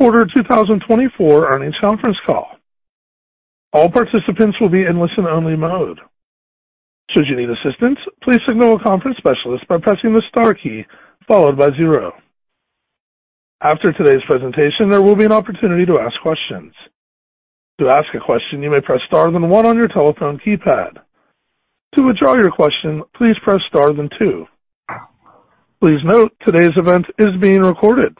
The 2024 Earnings Conference Call. All participants will be in listen-only mode. Should you need assistance, please signal a conference specialist by pressing the star key followed by zero. After today's presentation, there will be an opportunity to ask questions. To ask a question, you may press star then one on your telephone keypad. To withdraw your question, please press star then two. Please note today's event is being recorded.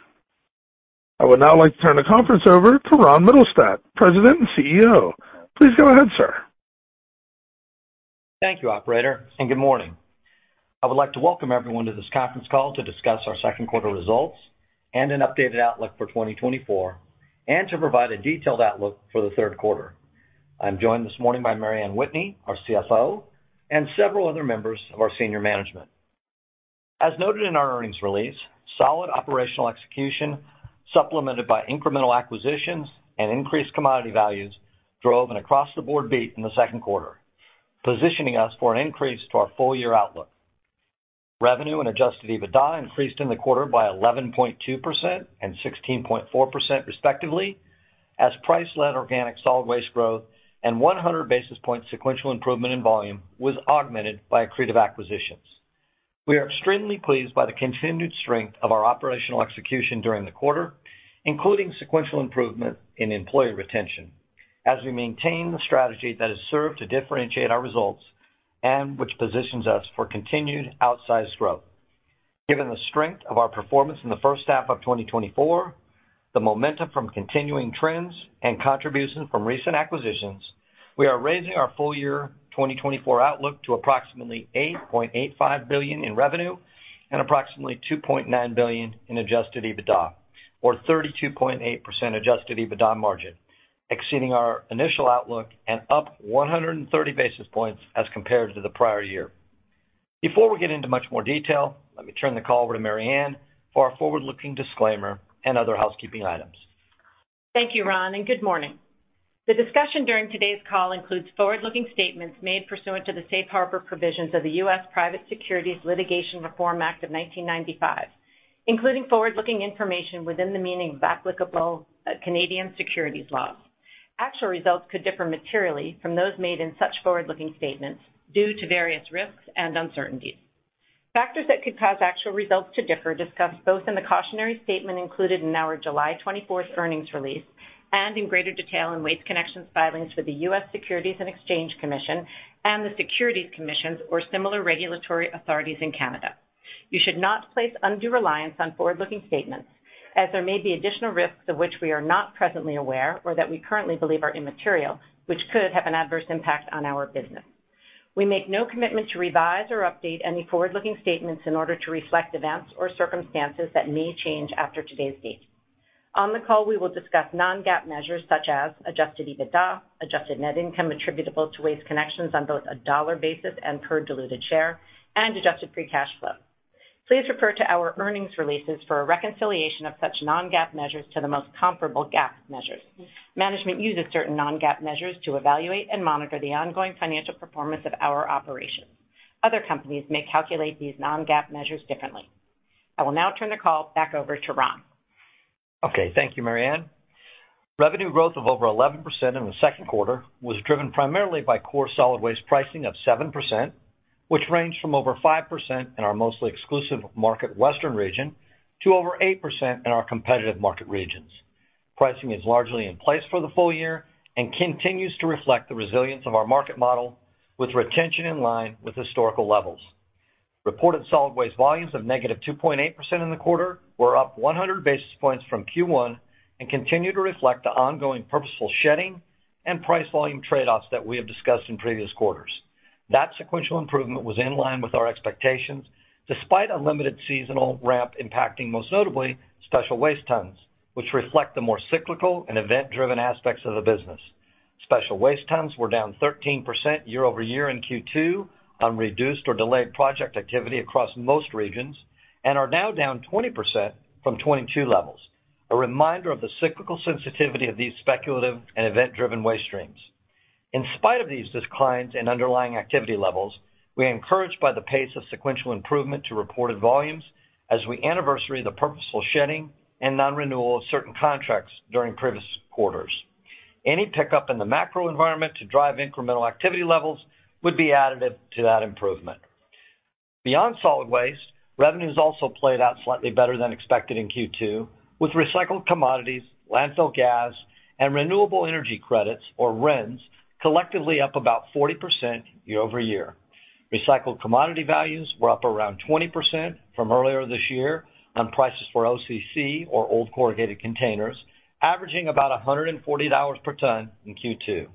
I would now like to turn the conference over to Ron Mittelstaedt, President and CEO. Please go ahead, sir. Thank you, Operator, and good morning. I would like to welcome everyone to this conference call to discuss our second quarter results and an updated outlook for 2024, and to provide a detailed outlook for the third quarter. I'm joined this morning by Mary Anne Whitney, our CFO, and several other members of our senior management. As noted in our earnings release, solid operational execution supplemented by incremental acquisitions and increased commodity values drove an across-the-board beat in the second quarter, positioning us for an increase to our full-year outlook. Revenue and Adjusted EBITDA increased in the quarter by 11.2% and 16.4%, respectively, as price-led organic solid waste growth and 100 basis point sequential improvement in volume was augmented by accretive acquisitions. We are extremely pleased by the continued strength of our operational execution during the quarter, including sequential improvement in employee retention, as we maintain the strategy that has served to differentiate our results and which positions us for continued outsized growth. Given the strength of our performance in the first half of 2024, the momentum from continuing trends, and contributions from recent acquisitions, we are raising our full-year 2024 outlook to approximately $8.85 billion in revenue and approximately $2.9 billion in Adjusted EBITDA, or 32.8% Adjusted EBITDA margin, exceeding our initial outlook and up 130 basis points as compared to the prior year. Before we get into much more detail, let me turn the call over to Mary Anne for our forward-looking disclaimer and other housekeeping items. Thank you, Ron, and good morning. The discussion during today's call includes forward-looking statements made pursuant to the safe harbor provisions of the U.S. Private Securities Litigation Reform Act of 1995, including forward-looking information within the meaning of applicable Canadian securities laws. Actual results could differ materially from those made in such forward-looking statements due to various risks and uncertainties. Factors that could cause actual results to differ are discussed both in the cautionary statement included in our July 24th earnings release and in greater detail in Waste Connections filings for the U.S. Securities and Exchange Commission and the Securities Commissions or similar regulatory authorities in Canada. You should not place undue reliance on forward-looking statements, as there may be additional risks of which we are not presently aware or that we currently believe are immaterial, which could have an adverse impact on our business. We make no commitment to revise or update any forward-looking statements in order to reflect events or circumstances that may change after today's date. On the call, we will discuss non-GAAP measures such as Adjusted EBITDA, adjusted net income attributable to Waste Connections on both a dollar basis and per diluted share, and Adjusted Free Cash Flow. Please refer to our earnings releases for a reconciliation of such non-GAAP measures to the most comparable GAAP measures. Management uses certain non-GAAP measures to evaluate and monitor the ongoing financial performance of our operations. Other companies may calculate these non-GAAP measures differently. I will now turn the call back over to Ron. Okay, thank you, Mary Anne. Revenue growth of over 11% in the second quarter was driven primarily by core solid waste pricing of 7%, which ranged from over 5% in our mostly exclusive market, Western Region, to over 8% in our competitive market regions. Pricing is largely in place for the full year and continues to reflect the resilience of our market model, with retention in line with historical levels. Reported solid waste volumes of -2.8% in the quarter were up 100 basis points from Q1 and continue to reflect the ongoing purposeful shedding and price volume trade-offs that we have discussed in previous quarters. That sequential improvement was in line with our expectations, despite unlimited seasonal ramp impacting most notably Special Waste tons, which reflect the more cyclical and event-driven aspects of the business. Special waste tons were down 13% year-over-year in Q2 on reduced or delayed project activity across most regions and are now down 20% from 2022 levels, a reminder of the cyclical sensitivity of these speculative and event-driven waste streams. In spite of these declines in underlying activity levels, we are encouraged by the pace of sequential improvement to reported volumes as we anniversary the purposeful shedding and non-renewal of certain contracts during previous quarters. Any pickup in the macro environment to drive incremental activity levels would be additive to that improvement. Beyond solid waste, revenues also played out slightly better than expected in Q2, with recycled commodities, landfill gas, and renewable energy credits, or RINs, collectively up about 40% year-over-year. Recycled commodity values were up around 20% from earlier this year on prices for OCC, or old corrugated containers, averaging about $140 per ton in Q2.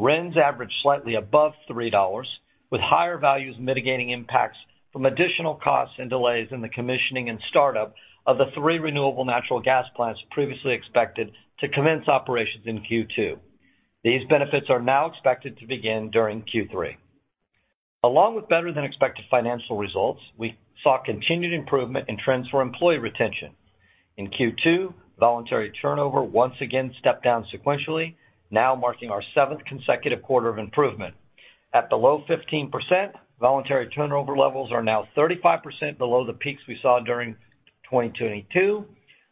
RINs averaged slightly above $3, with higher values mitigating impacts from additional costs and delays in the commissioning and startup of the 3 renewable natural gas plants previously expected to commence operations in Q2. These benefits are now expected to begin during Q3. Along with better-than-expected financial results, we saw continued improvement in trends for employee retention. In Q2, voluntary turnover once again stepped down sequentially, now marking our seventh consecutive quarter of improvement. At below 15%, voluntary turnover levels are now 35% below the peaks we saw during 2022,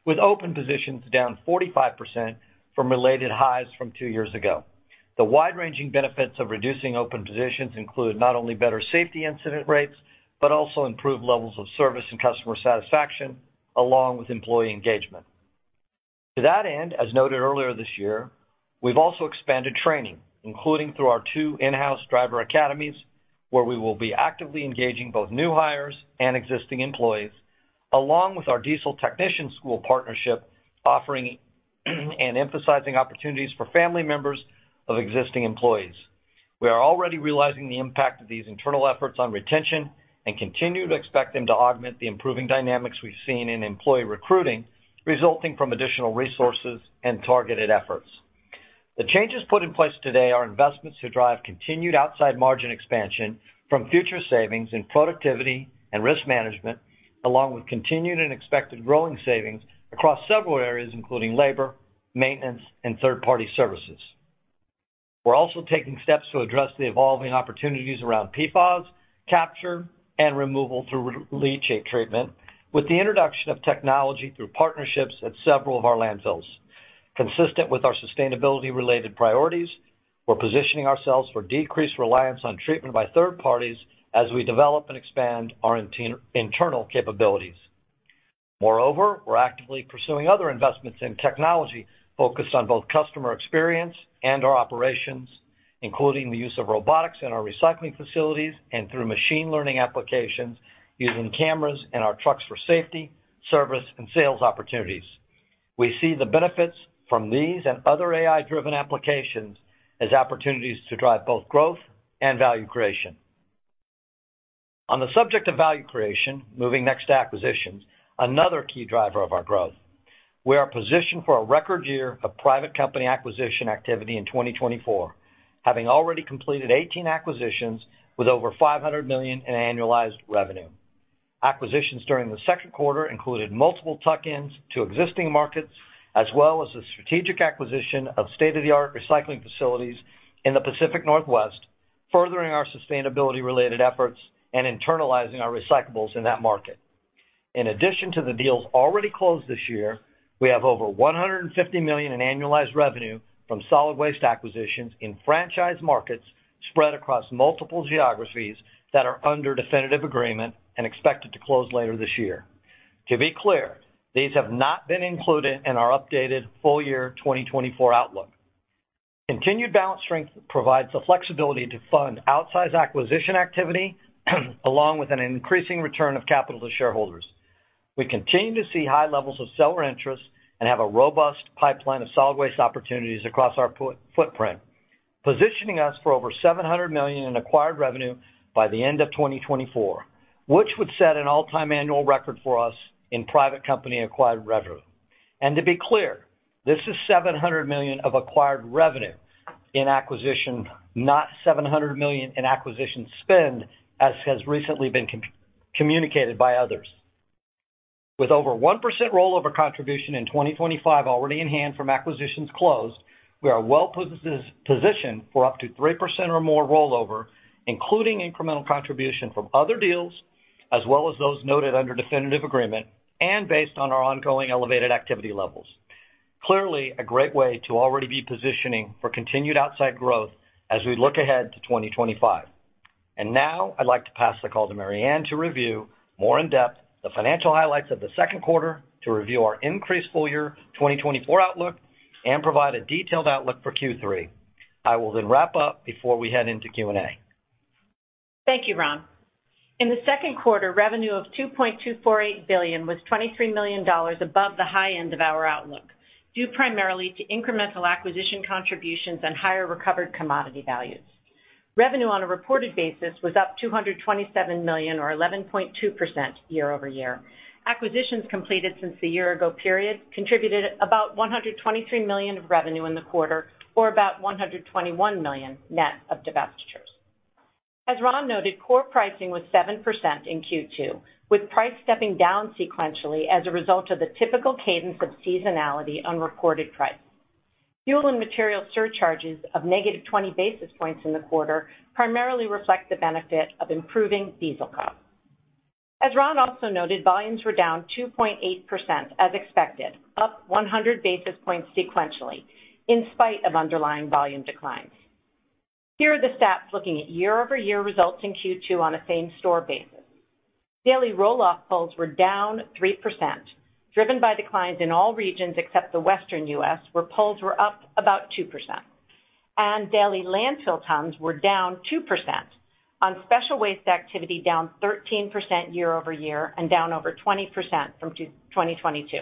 with open positions down 45% from related highs from two years ago. The wide-ranging benefits of reducing open positions include not only better safety incident rates, but also improved levels of service and customer satisfaction, along with employee engagement. To that end, as noted earlier this year, we've also expanded training, including through our two in-house driver academies, where we will be actively engaging both new hires and existing employees, along with our diesel technician school partnership, offering and emphasizing opportunities for family members of existing employees. We are already realizing the impact of these internal efforts on retention and continue to expect them to augment the improving dynamics we've seen in employee recruiting, resulting from additional resources and targeted efforts. The changes put in place today are investments to drive continued outside margin expansion from future savings in productivity and risk management, along with continued and expected growing savings across several areas, including labor, maintenance, and third-party services. We're also taking steps to address the evolving opportunities around PFAS, capture, and removal through leachate treatment, with the introduction of technology through partnerships at several of our landfills. Consistent with our sustainability-related priorities, we're positioning ourselves for decreased reliance on treatment by third parties as we develop and expand our internal capabilities. Moreover, we're actively pursuing other investments in technology focused on both customer experience and our operations, including the use of robotics in our recycling facilities and through machine learning applications using cameras in our trucks for safety, service, and sales opportunities. We see the benefits from these and other AI-driven applications as opportunities to drive both growth and value creation. On the subject of value creation, moving next to acquisitions, another key driver of our growth. We are positioned for a record year of private company acquisition activity in 2024, having already completed 18 acquisitions with over $500 million in annualized revenue. Acquisitions during the second quarter included multiple tuck-ins to existing markets, as well as the strategic acquisition of state-of-the-art recycling facilities in the Pacific Northwest, furthering our sustainability-related efforts and internalizing our recyclables in that market. In addition to the deals already closed this year, we have over $150 million in annualized revenue from solid waste acquisitions in franchise markets spread across multiple geographies that are under definitive agreement and expected to close later this year. To be clear, these have not been included in our updated full-year 2024 outlook. Continued balance strength provides the flexibility to fund outsized acquisition activity, along with an increasing return of capital to shareholders. We continue to see high levels of seller interest and have a robust pipeline of solid waste opportunities across our footprint, positioning us for over $700 million in acquired revenue by the end of 2024, which would set an all-time annual record for us in private company acquired revenue. To be clear, this is $700 million of acquired revenue in acquisition, not $700 million in acquisition spend, as has recently been communicated by others. With over 1% rollover contribution in 2025 already in hand from acquisitions closed, we are well positioned for up to 3% or more rollover, including incremental contribution from other deals, as well as those noted under definitive agreement and based on our ongoing elevated activity levels. Clearly, a great way to already be positioning for continued outside growth as we look ahead to 2025. Now I'd like to pass the call to Mary Anne to review more in depth the financial highlights of the second quarter, to review our increased full-year 2024 outlook, and provide a detailed outlook for Q3. I will then wrap up before we head into Q&A. Thank you, Ron. In the second quarter, revenue of $2.248 billion was $23 million above the high end of our outlook, due primarily to incremental acquisition contributions and higher recovered commodity values. Revenue on a reported basis was up $227 million, or 11.2% year over year. Acquisitions completed since the year-ago period contributed about $123 million of revenue in the quarter, or about $121 million net of divestitures. As Ron noted, core pricing was 7% in Q2, with price stepping down sequentially as a result of the typical cadence of seasonality on recorded prices. Fuel and materials surcharges of negative 20 basis points in the quarter primarily reflect the benefit of improving diesel costs. As Ron also noted, volumes were down 2.8%, as expected, up 100 basis points sequentially, in spite of underlying volume declines. Here are the stats looking at year-over-year results in Q2 on a same-store basis. Daily roll-off pulls were down 3%, driven by declines in all regions except the Western U.S., where pulls were up about 2%. Daily landfill tons were down 2%, on special waste activity down 13% year-over-year and down over 20% from 2022.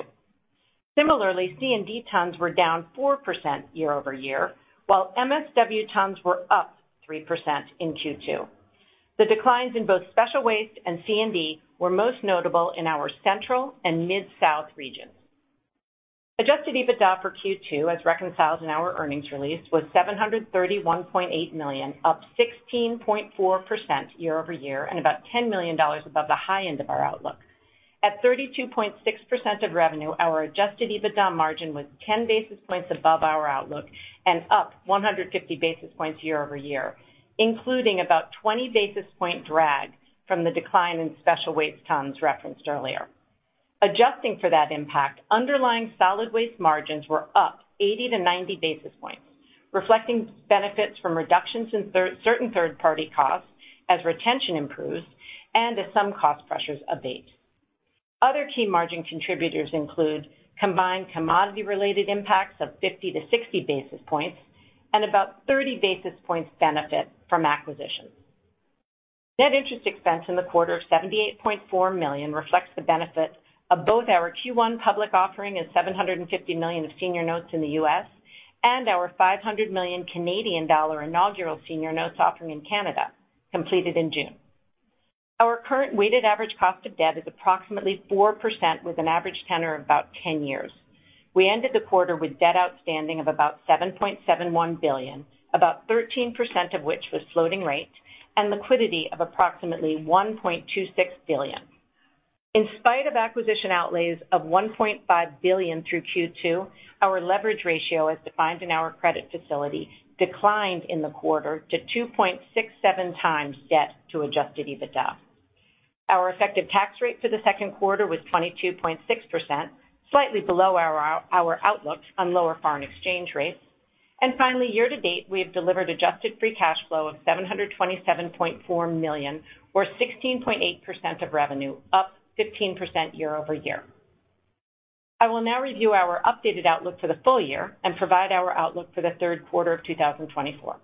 Similarly, C&D tons were down 4% year-over-year, while MSW tons were up 3% in Q2. The declines in both special waste and C&D were most notable in our Central and Mid-South regions. Adjusted EBITDA for Q2, as reconciled in our earnings release, was $731.8 million, up 16.4% year-over-year and about $10 million above the high end of our outlook. At 32.6% of revenue, our adjusted EBITDA margin was 10 basis points above our outlook and up 150 basis points year-over-year, including about 20 basis point drag from the decline in special waste tons referenced earlier. Adjusting for that impact, underlying solid waste margins were up 80-90 basis points, reflecting benefits from reductions in certain third-party costs as retention improves and as some cost pressures abate. Other key margin contributors include combined commodity-related impacts of 50-60 basis points and about 30 basis points benefit from acquisitions. Net interest expense in the quarter of $78.4 million reflects the benefit of both our Q1 public offering of $750 million of senior notes in the U.S. and our 500 million Canadian dollar inaugural senior notes offering in Canada, completed in June. Our current weighted average cost of debt is approximately 4% with an average tenor of about 10 years. We ended the quarter with debt outstanding of about $7.71 billion, about 13% of which was floating rate, and liquidity of approximately $1.26 billion. In spite of acquisition outlays of $1.5 billion through Q2, our leverage ratio, as defined in our credit facility, declined in the quarter to 2.67 times debt to adjusted EBITDA. Our effective tax rate for the second quarter was 22.6%, slightly below our outlook on lower foreign exchange rates. And finally, year to date, we have delivered adjusted free cash flow of $727.4 million, or 16.8% of revenue, up 15% year-over-year. I will now review our updated outlook for the full year and provide our outlook for the third quarter of 2024.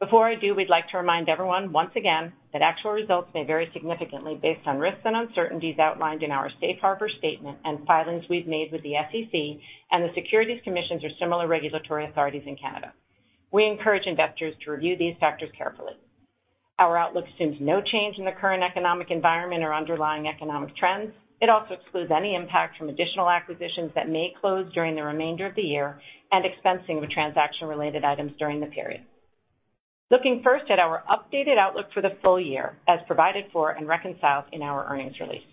Before I do, we'd like to remind everyone once again that actual results may vary significantly based on risks and uncertainties outlined in our Safe Harbor Statement and filings we've made with the SEC and the Securities Commissions or similar regulatory authorities in Canada. We encourage investors to review these factors carefully. Our outlook assumes no change in the current economic environment or underlying economic trends. It also excludes any impact from additional acquisitions that may close during the remainder of the year and expensing of transaction-related items during the period. Looking first at our updated outlook for the full year, as provided for and reconciled in our earnings release,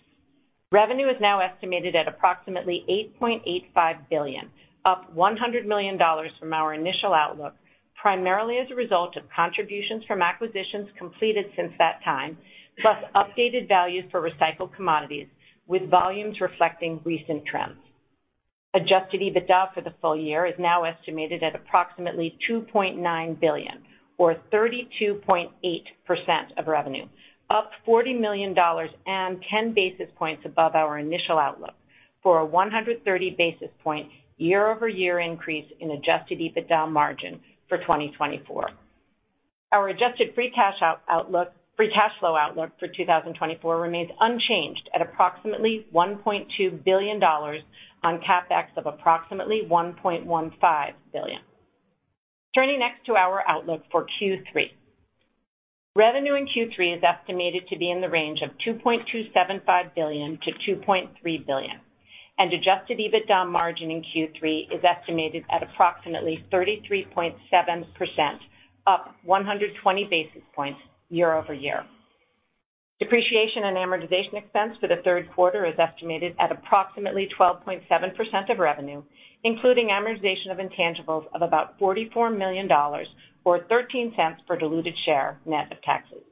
revenue is now estimated at approximately $8.85 billion, up $100 million from our initial outlook, primarily as a result of contributions from acquisitions completed since that time, plus updated values for recycled commodities, with volumes reflecting recent trends. Adjusted EBITDA for the full year is now estimated at approximately $2.9 billion, or 32.8% of revenue, up $40 million and 10 basis points above our initial outlook for a 130 basis point year-over-year increase in adjusted EBITDA margin for 2024. Our Adjusted Free Cash Flow outlook for 2024 remains unchanged at approximately $1.2 billion on CapEx of approximately $1.15 billion. Turning next to our outlook for Q3, revenue in Q3 is estimated to be in the range of $2.275 billion-$2.3 billion, and Adjusted EBITDA margin in Q3 is estimated at approximately 33.7%, up 120 basis points year-over-year. Depreciation and amortization expense for the third quarter is estimated at approximately 12.7% of revenue, including amortization of intangibles of about $44 million, or $0.13 per diluted share net of taxes.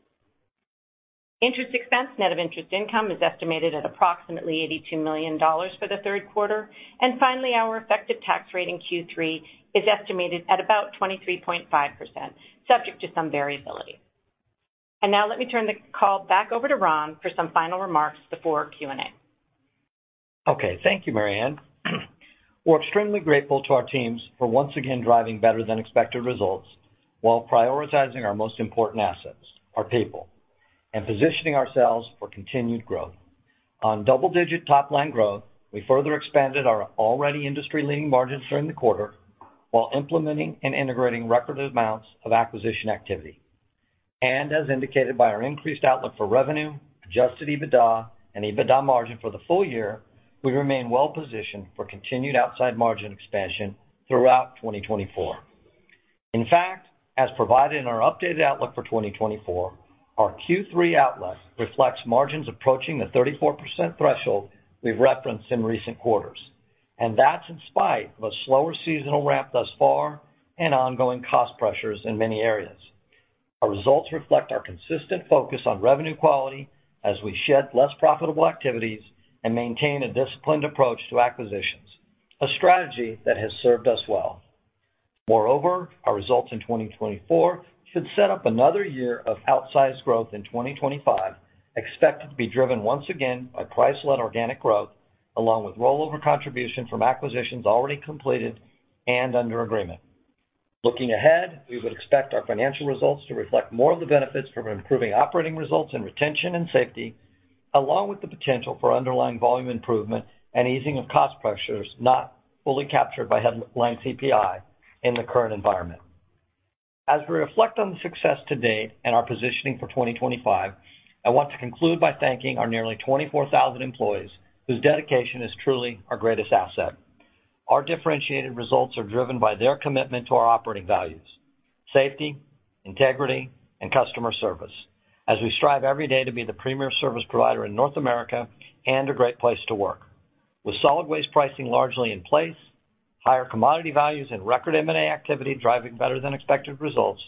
Interest expense, net of interest income, is estimated at approximately $82 million for the third quarter. Finally, our effective tax rate in Q3 is estimated at about 23.5%, subject to some variability. Now let me turn the call back over to Ron for some final remarks before Q&A. Okay, thank you, Mary Anne. We're extremely grateful to our teams for once again driving better-than-expected results while prioritizing our most important assets, our people, and positioning ourselves for continued growth. On double-digit top-line growth, we further expanded our already industry-leading margins during the quarter while implementing and integrating record amounts of acquisition activity. As indicated by our increased outlook for revenue, Adjusted EBITDA, and EBITDA margin for the full year, we remain well positioned for continued outside margin expansion throughout 2024. In fact, as provided in our updated outlook for 2024, our Q3 outlook reflects margins approaching the 34% threshold we've referenced in recent quarters. That's in spite of a slower seasonal ramp thus far and ongoing cost pressures in many areas. Our results reflect our consistent focus on revenue quality as we shed less profitable activities and maintain a disciplined approach to acquisitions, a strategy that has served us well. Moreover, our results in 2024 should set up another year of outsized growth in 2025, expected to be driven once again by price-led organic growth, along with rollover contribution from acquisitions already completed and under agreement. Looking ahead, we would expect our financial results to reflect more of the benefits from improving operating results and retention and safety, along with the potential for underlying volume improvement and easing of cost pressures not fully captured by headline CPI in the current environment. As we reflect on the success to date and our positioning for 2025, I want to conclude by thanking our nearly 24,000 employees whose dedication is truly our greatest asset. Our differentiated results are driven by their commitment to our operating values: safety, integrity, and customer service, as we strive every day to be the premier service provider in North America and a great place to work. With solid waste pricing largely in place, higher commodity values, and record M&A activity driving better-than-expected results,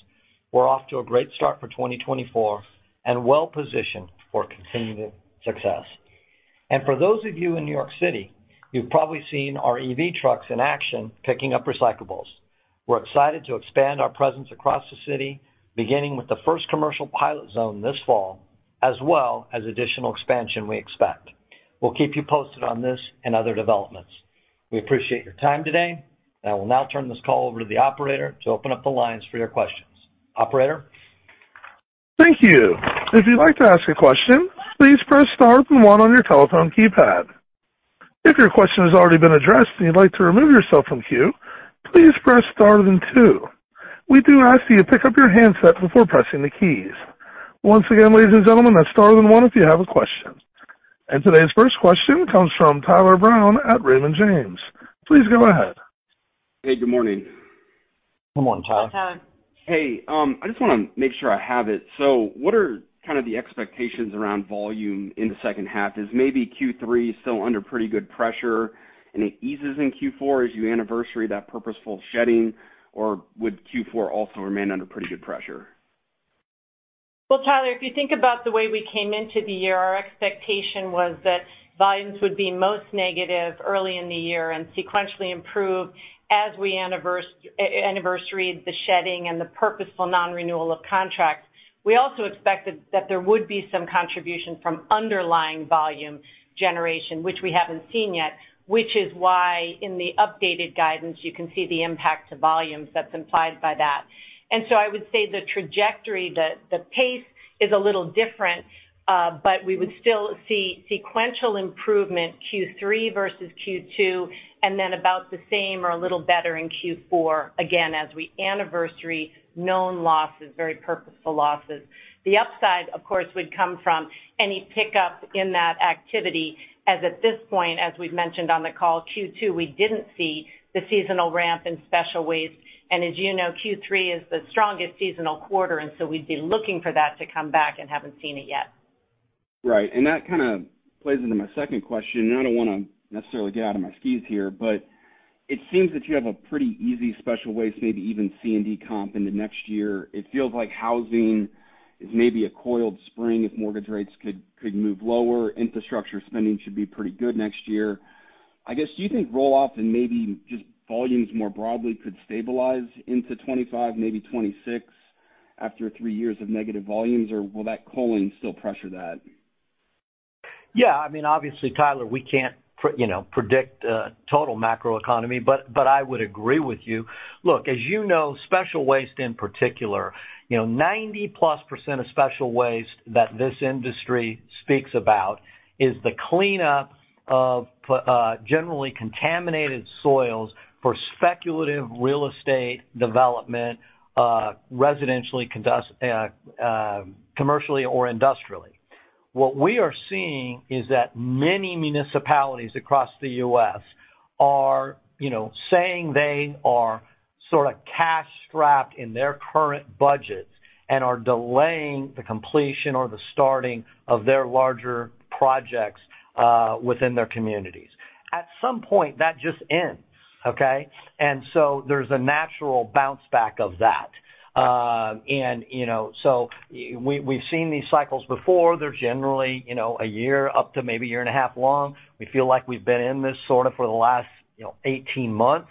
we're off to a great start for 2024 and well positioned for continued success. For those of you in New York City, you've probably seen our EV trucks in action picking up recyclables. We're excited to expand our presence across the city, beginning with the first commercial pilot zone this fall, as well as additional expansion we expect. We'll keep you posted on this and other developments. We appreciate your time today, and I will now turn this call over to the operator to open up the lines for your questions. Operator. Thank you. If you'd like to ask a question, please press star and one on your telephone keypad. If your question has already been addressed and you'd like to remove yourself from queue, please press star and two. We do ask that you pick up your handset before pressing the keys. Once again, ladies and gentlemen, that's star and one if you have a question. Today's first question comes from Tyler Brown at Raymond James. Please go ahead. Hey, good morning. Good morning, Tyler. Hey, Tyler. Hey. I just want to make sure I have it. So what are kind of the expectations around volume in the second half? Is maybe Q3 still under pretty good pressure, and it eases in Q4? Is your anniversary that purposeful shedding, or would Q4 also remain under pretty good pressure? Well, Tyler, if you think about the way we came into the year, our expectation was that volumes would be most negative early in the year and sequentially improve as we anniversary the shedding and the purposeful non-renewal of contracts. We also expected that there would be some contribution from underlying volume generation, which we haven't seen yet, which is why in the updated guidance you can see the impact to volumes that's implied by that. And so I would say the trajectory, the pace is a little different, but we would still see sequential improvement Q3 versus Q2, and then about the same or a little better in Q4 again as we anniversary known losses, very purposeful losses. The upside, of course, would come from any pickup in that activity, as at this point, as we've mentioned on the call, Q2 we didn't see the seasonal ramp in special waste. As you know, Q3 is the strongest seasonal quarter, and so we'd be looking for that to come back and haven't seen it yet. Right. And that kind of plays into my second question. I don't want to necessarily get out of my skis here, but it seems that you have a pretty easy special waste, maybe even C&D comp in the next year. It feels like housing is maybe a coiled spring if mortgage rates could move lower. Infrastructure spending should be pretty good next year. I guess, do you think roll-off and maybe just volumes more broadly could stabilize into 2025, maybe 2026 after three years of negative volumes, or will that culling still pressure that? Yeah. I mean, obviously, Tyler, we can't predict total macroeconomy, but I would agree with you. Look, as you know, special waste in particular, 90%+ of special waste that this industry speaks about is the cleanup of generally contaminated soils for speculative real estate development, residentially, commercially, or industrially. What we are seeing is that many municipalities across the U.S. are saying they are sort of cash-strapped in their current budgets and are delaying the completion or the starting of their larger projects within their communities. At some point, that just ends, okay? And so there's a natural bounce back of that. And so we've seen these cycles before. They're generally a year, up to maybe a year and a half long. We feel like we've been in this sort of for the last 18 months.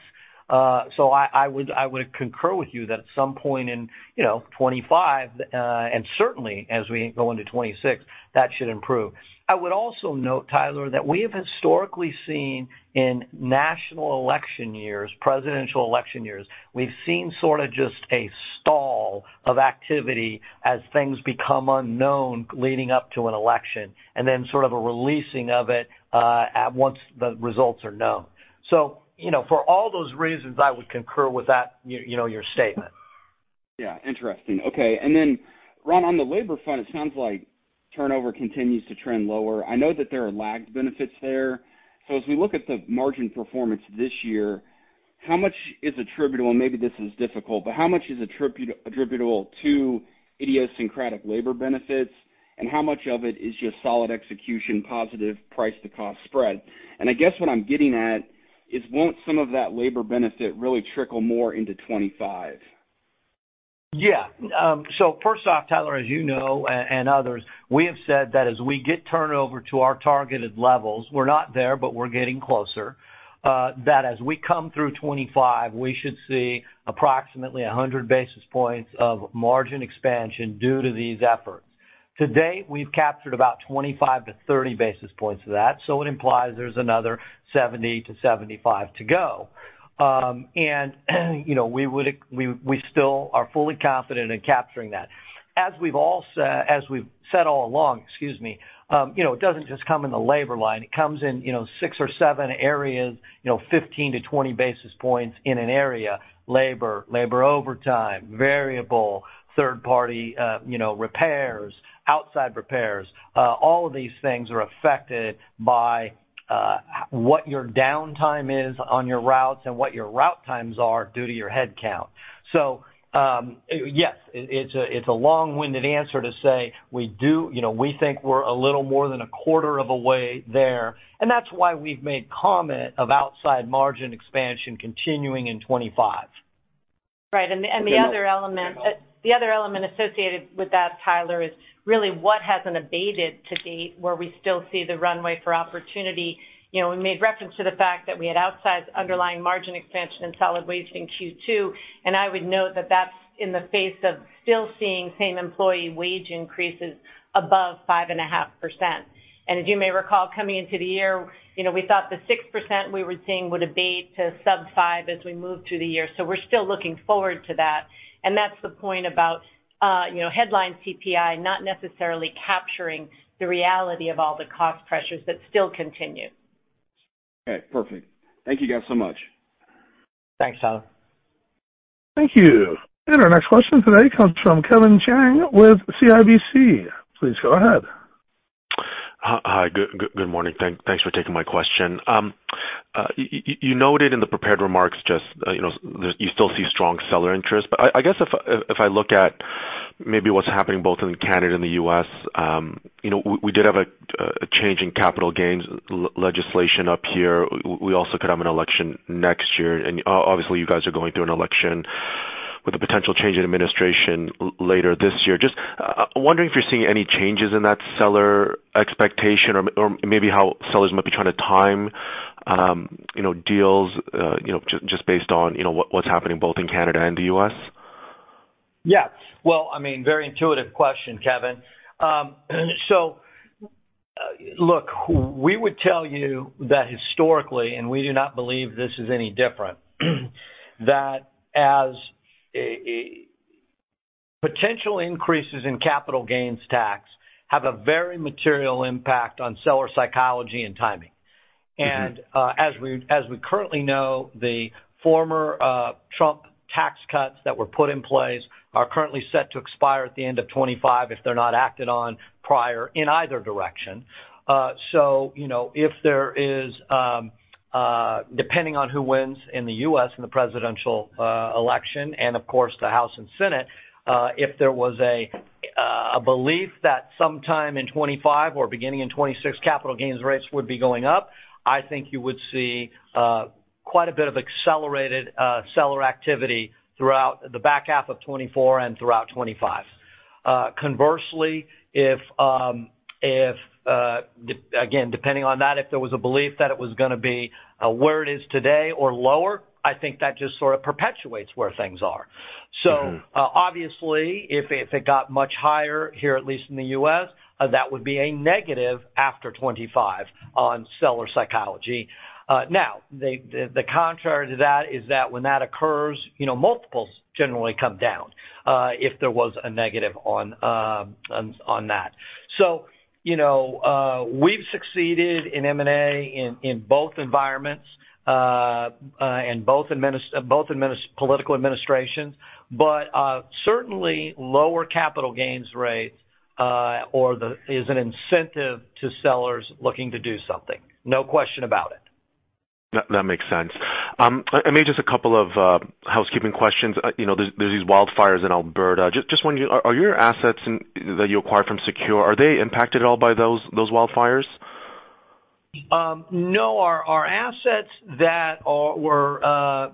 I would concur with you that at some point in 2025, and certainly as we go into 2026, that should improve. I would also note, Tyler, that we have historically seen in national election years, presidential election years, we've seen sort of just a stall of activity as things become unknown leading up to an election and then sort of a releasing of it once the results are known. For all those reasons, I would concur with your statement. Yeah. Interesting. Okay. And then, Ron, on the labor fund, it sounds like turnover continues to trend lower. I know that there are lagged benefits there. So as we look at the margin performance this year, how much is attributable, and maybe this is difficult, but how much is attributable to idiosyncratic labor benefits, and how much of it is just solid execution, positive price-to-cost spread? And I guess what I'm getting at is, won't some of that labor benefit really trickle more into 2025? Yeah. So first off, Tyler, as you know, and others, we have said that as we get turnover to our targeted levels (we're not there, but we're getting closer) that as we come through 2025, we should see approximately 100 basis points of margin expansion due to these efforts. Today, we've captured about 25-30 basis points of that. So it implies there's another 70-75 to go. And we still are fully confident in capturing that. As we've said all along, excuse me, it doesn't just come in the labor line. It comes in six or seven areas, 15-20 basis points in an area: labor, labor overtime, variable, third-party repairs, outside repairs. All of these things are affected by what your downtime is on your routes and what your route times are due to your headcount. So yes, it's a long-winded answer to say we think we're a little more than a quarter of a way there. That's why we've made comment of outside margin expansion continuing in 2025. Right. And the other element associated with that, Tyler, is really what hasn't abated to date where we still see the runway for opportunity. We made reference to the fact that we had outsized underlying margin expansion in solid waste in Q2. And I would note that that's in the face of still seeing same employee wage increases above 5.5%. And as you may recall, coming into the year, we thought the 6% we were seeing would abate to sub-5% as we move through the year. So we're still looking forward to that. And that's the point about headline CPI not necessarily capturing the reality of all the cost pressures that still continue. Okay. Perfect. Thank you guys so much. Thanks, Tyler. Thank you. Our next question today comes from Kevin Chiang with CIBC. Please go ahead. Hi. Good morning. Thanks for taking my question. You noted in the prepared remarks just you still see strong seller interest. But I guess if I look at maybe what's happening both in Canada and the U.S., we did have a change in capital gains legislation up here. We also could have an election next year. And obviously, you guys are going through an election with a potential change in administration later this year. Just wondering if you're seeing any changes in that seller expectation or maybe how sellers might be trying to time deals just based on what's happening both in Canada and the U.S. Yeah. Well, I mean, very intuitive question, Kevin. So look, we would tell you that historically, and we do not believe this is any different, that as potential increases in capital gains tax have a very material impact on seller psychology and timing. And as we currently know, the former Trump tax cuts that were put in place are currently set to expire at the end of 2025 if they're not acted on prior in either direction. So if there is, depending on who wins in the U.S. in the presidential election and, of course, the House and Senate, if there was a belief that sometime in 2025 or beginning in 2026, capital gains rates would be going up, I think you would see quite a bit of accelerated seller activity throughout the back half of 2024 and throughout 2025. Conversely, if, again, depending on that, if there was a belief that it was going to be where it is today or lower, I think that just sort of perpetuates where things are. So obviously, if it got much higher here, at least in the U.S., that would be a negative after 2025 on seller psychology. Now, the contrary to that is that when that occurs, multiples generally come down if there was a negative on that. So we've succeeded in M&A in both environments and both political administrations, but certainly lower capital gains rates is an incentive to sellers looking to do something. No question about it. That makes sense. I made just a couple of housekeeping questions. There's these wildfires in Alberta. Just wondering, are your assets that you acquired from Secure, are they impacted at all by those wildfires? No. Our assets that were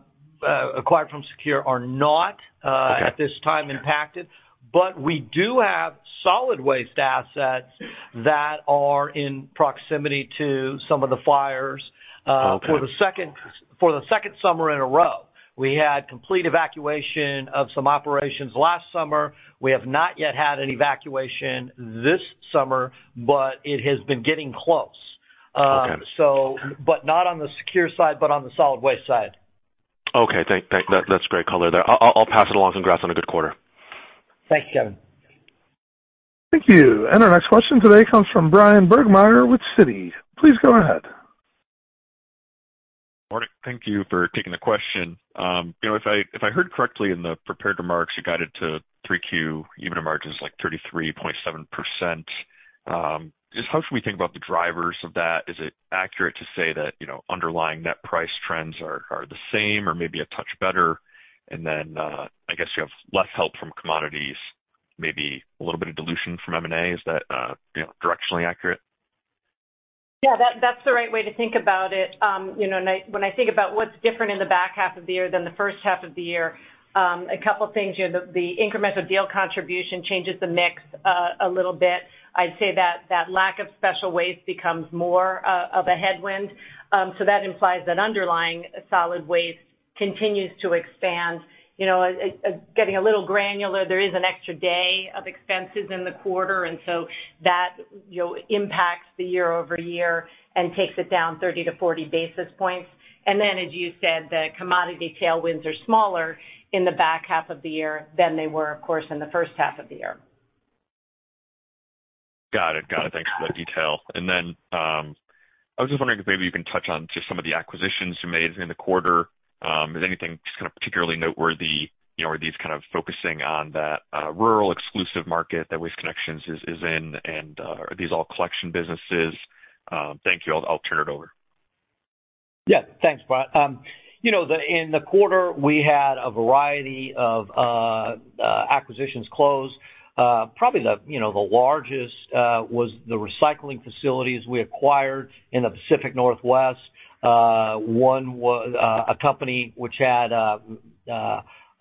acquired from Secure are not at this time impacted. But we do have solid waste assets that are in proximity to some of the fires for the second summer in a row. We had complete evacuation of some operations last summer. We have not yet had an evacuation this summer, but it has been getting close. But not on the Secure side, but on the solid waste side. Okay. Thanks. That's great color there. I'll pass it along congrats on a good quarter. Thanks, Kevin. Thank you. Our next question today comes from Bryan Burgmeier with Citi. Please go ahead. Morning. Thank you for taking the question. If I heard correctly in the prepared remarks, you guided to 3Q EBITDA margin is like 33.7%. Just how should we think about the drivers of that? Is it accurate to say that underlying net price trends are the same or maybe a touch better? And then I guess you have less help from commodities, maybe a little bit of dilution from M&A. Is that directionally accurate? Yeah. That's the right way to think about it. When I think about what's different in the back half of the year than the first half of the year, a couple of things. The incremental deal contribution changes the mix a little bit. I'd say that lack of special waste becomes more of a headwind. So that implies that underlying solid waste continues to expand. Getting a little granular, there is an extra day of expenses in the quarter, and so that impacts the year-over-year and takes it down 30-40 basis points. And then, as you said, the commodity tailwinds are smaller in the back half of the year than they were, of course, in the first half of the year. Got it. Got it. Thanks for the detail. And then I was just wondering if maybe you can touch on just some of the acquisitions you made in the quarter. Is anything just kind of particularly noteworthy? Are these kind of focusing on that rural exclusive market that Waste Connections is in, and are these all collection businesses? Thank you. I'll turn it over. Yeah. Thanks, Bryan. In the quarter, we had a variety of acquisitions close. Probably the largest was the recycling facilities we acquired in the Pacific Northwest. One was a company which had a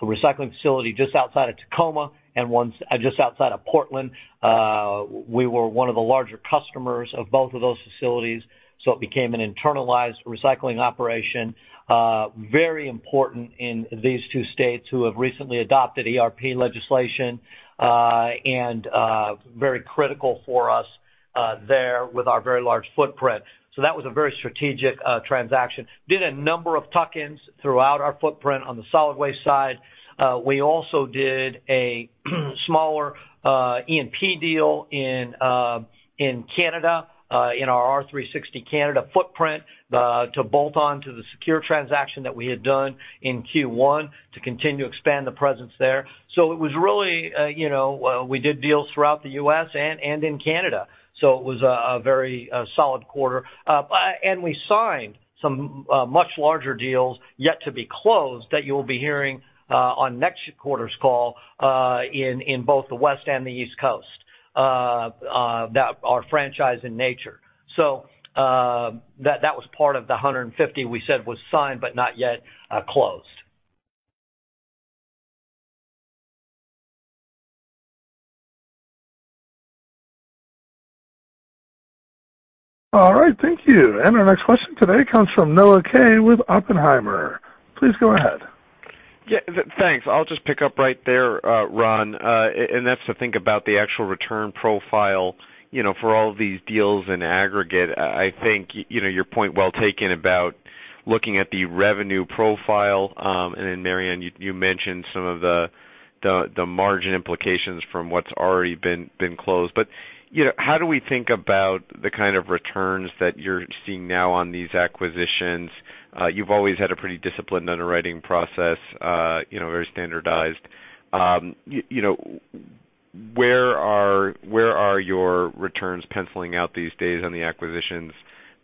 recycling facility just outside of Tacoma and one just outside of Portland. We were one of the larger customers of both of those facilities, so it became an internalized recycling operation. Very important in these two states who have recently adopted ERP legislation and very critical for us there with our very large footprint. So that was a very strategic transaction. Did a number of tuck-ins throughout our footprint on the solid waste side. We also did a smaller E&P deal in Canada in our R360 Canada footprint to bolt on to the Secure transaction that we had done in Q1 to continue to expand the presence there. So it was really we did deals throughout the U.S. and in Canada. So it was a very solid quarter. And we signed some much larger deals yet to be closed that you will be hearing on next quarter's call in both the West and the East Coast that are franchise in nature. So that was part of the 150 we said was signed but not yet closed. All right. Thank you. And our next question today comes from Noah Kaye with Oppenheimer. Please go ahead. Yeah. Thanks. I'll just pick up right there, Ron. Enough to think about the actual return profile for all of these deals in aggregate. I think your point well taken about looking at the revenue profile. And then, Mary Anne, you mentioned some of the margin implications from what's already been closed. But how do we think about the kind of returns that you're seeing now on these acquisitions? You've always had a pretty disciplined underwriting process, very standardized. Where are your returns penciling out these days on the acquisitions?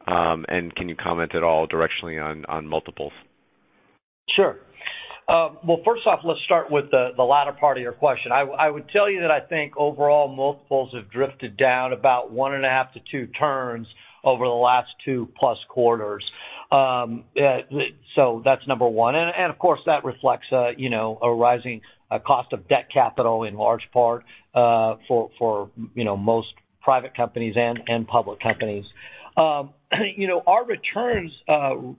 And can you comment at all directionally on multiples? Sure. Well, first off, let's start with the latter part of your question. I would tell you that I think overall multiples have drifted down about 1.5-2 turns over the last 2+ quarters. So that's number one. And of course, that reflects a rising cost of debt capital in large part for most private companies and public companies. Our returns,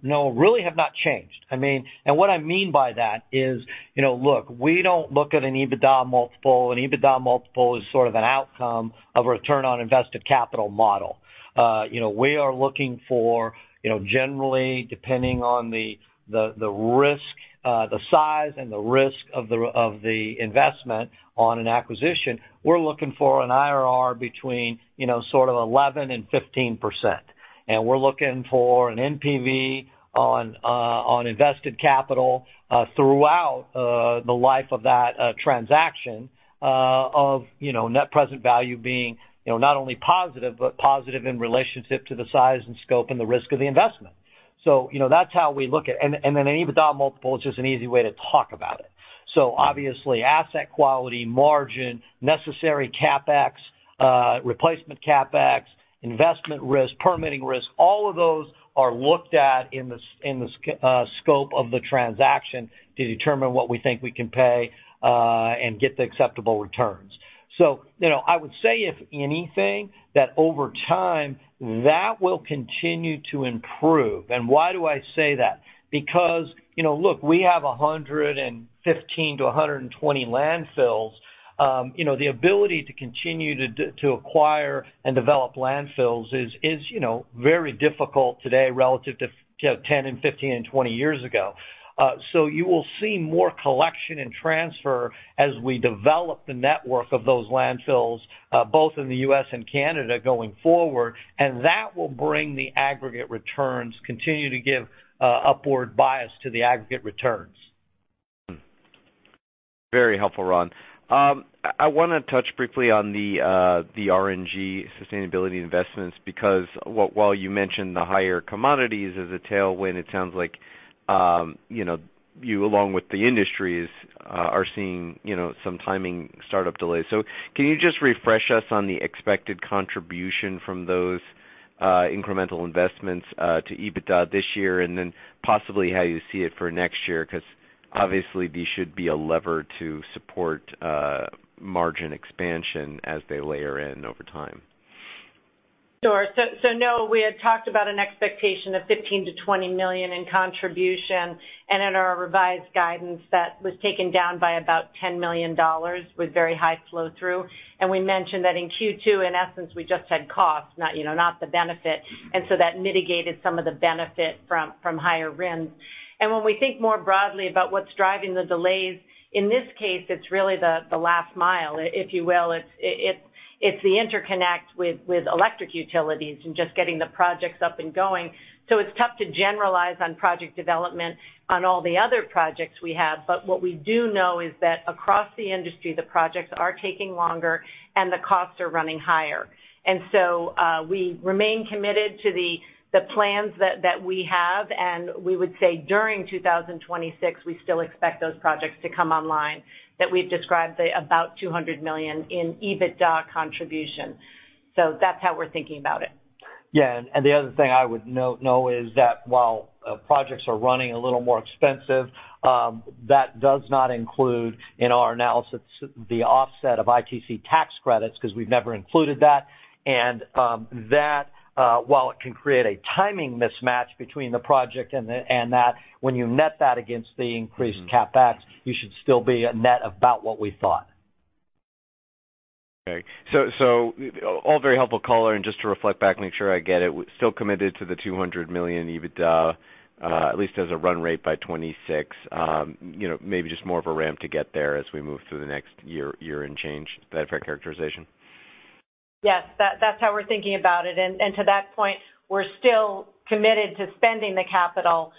Noah, really have not changed. And what I mean by that is, look, we don't look at an EBITDA multiple. An EBITDA multiple is sort of an outcome of a return on invested capital model. We are looking for, generally, depending on the risk, the size, and the risk of the investment on an acquisition, we're looking for an IRR between sort of 11%-15%. And we're looking for an NPV on invested capital throughout the life of that transaction of net present value being not only positive but positive in relationship to the size and scope and the risk of the investment. So that's how we look at it. And then an EBITDA multiple is just an easy way to talk about it. So obviously, asset quality, margin, necessary CapEx, replacement CapEx, investment risk, permitting risk, all of those are looked at in the scope of the transaction to determine what we think we can pay and get the acceptable returns. So I would say, if anything, that over time that will continue to improve. And why do I say that? Because, look, we have 115-120 landfills. The ability to continue to acquire and develop landfills is very difficult today relative to 10, 15, and 20 years ago. So you will see more collection and transfer as we develop the network of those landfills, both in the U.S. and Canada going forward. And that will bring the aggregate returns, continue to give upward bias to the aggregate returns. Very helpful, Ron. I want to touch briefly on the RNG sustainability investments because while you mentioned the higher commodities as a tailwind, it sounds like you, along with the industries, are seeing some timing startup delays. So can you just refresh us on the expected contribution from those incremental investments to EBITDA this year and then possibly how you see it for next year? Because obviously, these should be a lever to support margin expansion as they layer in over time. Sure. So no, we had talked about an expectation of $15 million-$20 million in contribution. And in our revised guidance, that was taken down by about $10 million with very high flow-through. And we mentioned that in Q2, in essence, we just had cost, not the benefit. And so that mitigated some of the benefit from higher rent. And when we think more broadly about what's driving the delays, in this case, it's really the last mile, if you will. It's the interconnect with electric utilities and just getting the projects up and going. So it's tough to generalize on project development on all the other projects we have. But what we do know is that across the industry, the projects are taking longer and the costs are running higher. And so we remain committed to the plans that we have. We would say during 2026, we still expect those projects to come online that we've described about $200 million in EBITDA contribution. That's how we're thinking about it. Yeah. And the other thing I would note is that while projects are running a little more expensive, that does not include in our analysis the offset of ITC tax credits because we've never included that. And that, while it can create a timing mismatch between the project and that, when you net that against the increased CapEx, you should still be a net about what we thought. Okay. All very helpful color. Just to reflect back, make sure I get it. Still committed to the $200 million EBITDA, at least as a run rate by 2026. Maybe just more of a ramp to get there as we move through the next year and change. Does that affect characterization? Yes. That's how we're thinking about it. To that point, we're still committed to spending the capital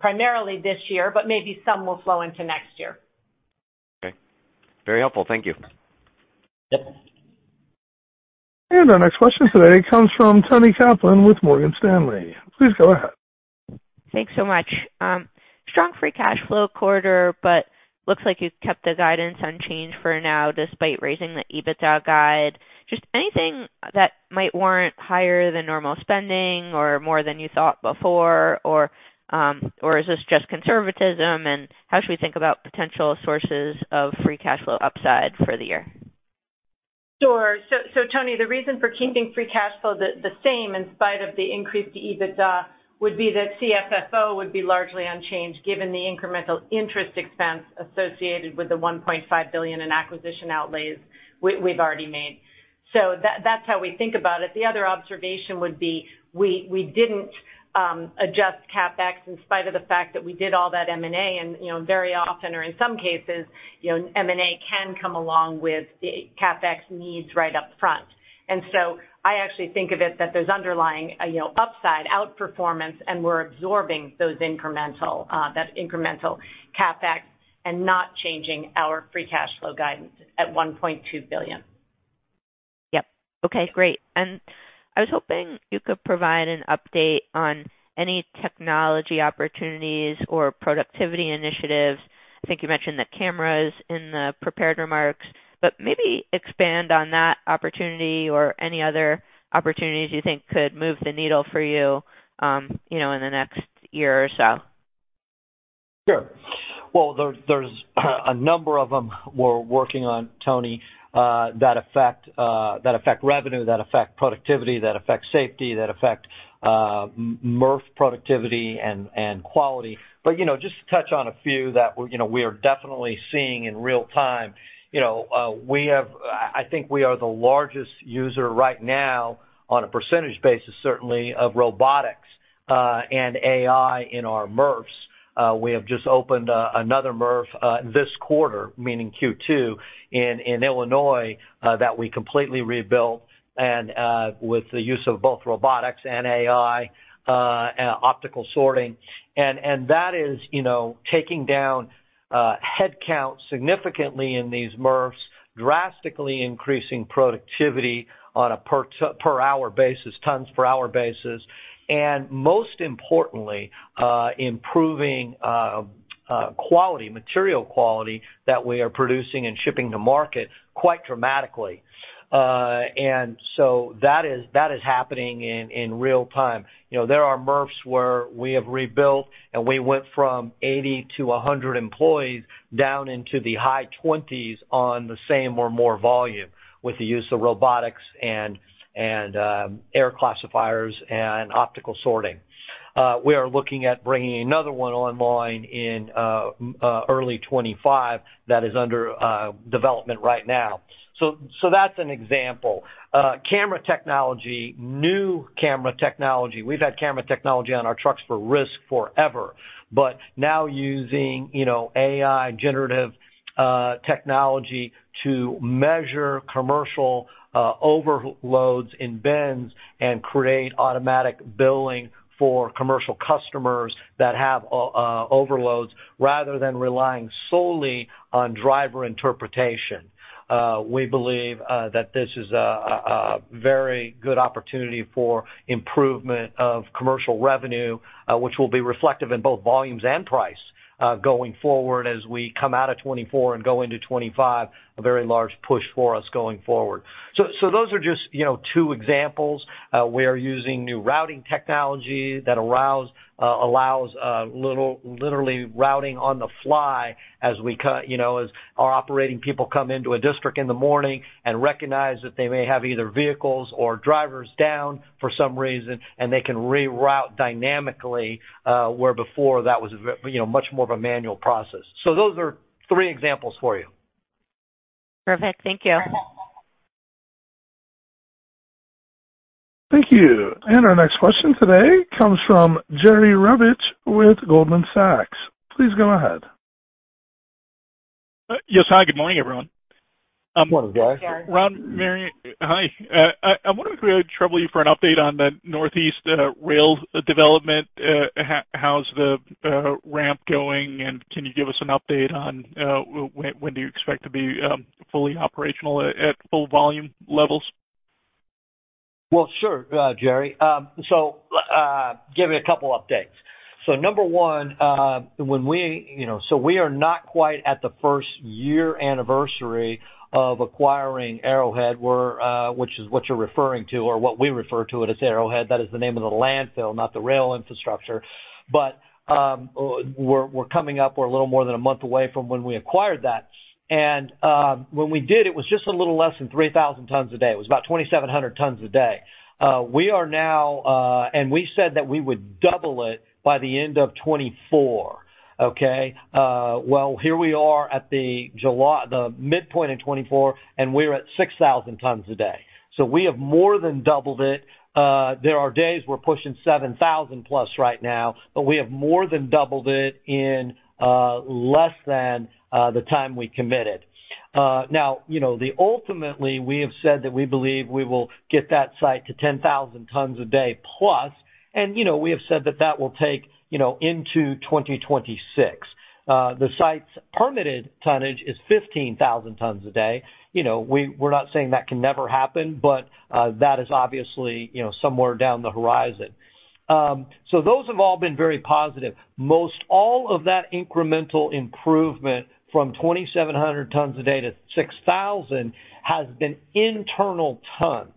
primarily this year, but maybe some will flow into next year. Okay. Very helpful. Thank you. Yep. Our next question today comes from Toni Kaplan with Morgan Stanley. Please go ahead. Thanks so much. Strong free cash flow quarter, but looks like you've kept the guidance unchanged for now despite raising the EBITDA guide. Just anything that might warrant higher than normal spending or more than you thought before? Or is this just conservatism? And how should we think about potential sources of free cash flow upside for the year? Sure. So Toni, the reason for keeping free cash flow the same in spite of the increased EBITDA would be that CFFO would be largely unchanged given the incremental interest expense associated with the $1.5 billion in acquisition outlays we've already made. So that's how we think about it. The other observation would be we didn't adjust CapEx in spite of the fact that we did all that M&A. Very often, or in some cases, M&A can come along with CapEx needs right up front. So I actually think of it that there's underlying upside, outperformance, and we're absorbing that incremental CapEx and not changing our free cash flow guidance at $1.2 billion. Yep. Okay. Great. And I was hoping you could provide an update on any technology opportunities or productivity initiatives. I think you mentioned the cameras in the prepared remarks, but maybe expand on that opportunity or any other opportunities you think could move the needle for you in the next year or so. Sure. Well, there's a number of them we're working on, Toni, that affect revenue, that affect productivity, that affect safety, that affect MRF productivity and quality. But just to touch on a few that we are definitely seeing in real time. I think we are the largest user right now on a percentage basis, certainly, of robotics and AI in our MRFs. We have just opened another MRF this quarter, meaning Q2, in Illinois that we completely rebuilt with the use of both robotics and AI optical sorting. And that is taking down headcount significantly in these MRFs, drastically increasing productivity on a per-hour basis, tons per hour basis, and most importantly, improving quality, material quality that we are producing and shipping to market quite dramatically. And so that is happening in real time. There are MRFs where we have rebuilt, and we went from 80 to 100 employees down into the high 20s on the same or more volume with the use of robotics and air classifiers and optical sorting. We are looking at bringing another one online in early 2025 that is under development right now. So that's an example. Camera technology, new camera technology. We've had camera technology on our trucks for years forever, but now using AI generative technology to measure commercial overloads in bins and create automatic billing for commercial customers that have overloads rather than relying solely on driver interpretation. We believe that this is a very good opportunity for improvement of commercial revenue, which will be reflective in both volumes and price going forward as we come out of 2024 and go into 2025, a very large push for us going forward. So those are just two examples. We are using new routing technology that allows literally routing on the fly as our operating people come into a district in the morning and recognize that they may have either vehicles or drivers down for some reason, and they can reroute dynamically where before that was much more of a manual process. So those are three examples for you. Perfect. Thank you. Thank you. Our next question today comes from Jerry Revich with Goldman Sachs. Please go ahead. Yes, hi. Good morning, everyone. Morning, guys. Ron, Mary Anne, hi. I wonder if we could trouble you for an update on the Northeast Rail Development. How's the ramp going? And can you give us an update on when do you expect to be fully operational at full volume levels? Well, sure, Jerry. So give me a couple of updates. So number one, when we are not quite at the first year anniversary of acquiring Arrowhead, which is what you're referring to or what we refer to it as Arrowhead. That is the name of the landfill, not the rail infrastructure. But we're coming up. We're a little more than a month away from when we acquired that. And when we did, it was just a little less than 3,000 tons a day. It was about 2,700 tons a day. We are now, and we said that we would double it by the end of 2024. Okay? Well, here we are at the midpoint in 2024, and we're at 6,000 tons a day. So we have more than doubled it. There are days we're pushing 7,000+ right now, but we have more than doubled it in less than the time we committed. Now, ultimately, we have said that we believe we will get that site to 10,000 tons a day plus. And we have said that that will take into 2026. The site's permitted tonnage is 15,000 tons a day. We're not saying that can never happen, but that is obviously somewhere down the horizon. So those have all been very positive. Most all of that incremental improvement from 2,700 tons a day to 6,000 has been internal tons.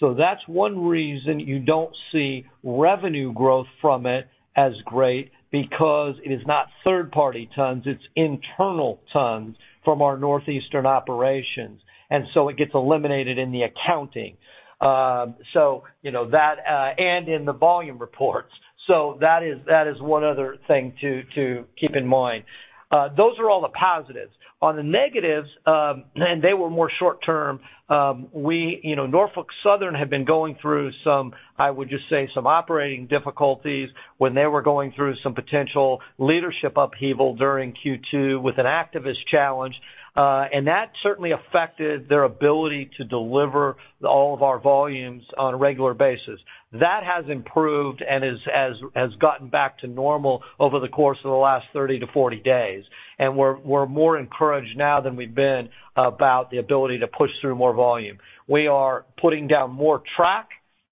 So that's one reason you don't see revenue growth from it as great because it is not third-party tons. It's internal tons from our Northeastern operations. And so it gets eliminated in the accounting. So that and in the volume reports. So that is one other thing to keep in mind. Those are all the positives. On the negatives, and they were more short-term, Norfolk Southern had been going through some, I would just say, some operating difficulties when they were going through some potential leadership upheaval during Q2 with an activist challenge. And that certainly affected their ability to deliver all of our volumes on a regular basis. That has improved and has gotten back to normal over the course of the last 30-40 days. And we're more encouraged now than we've been about the ability to push through more volume. We are putting down more track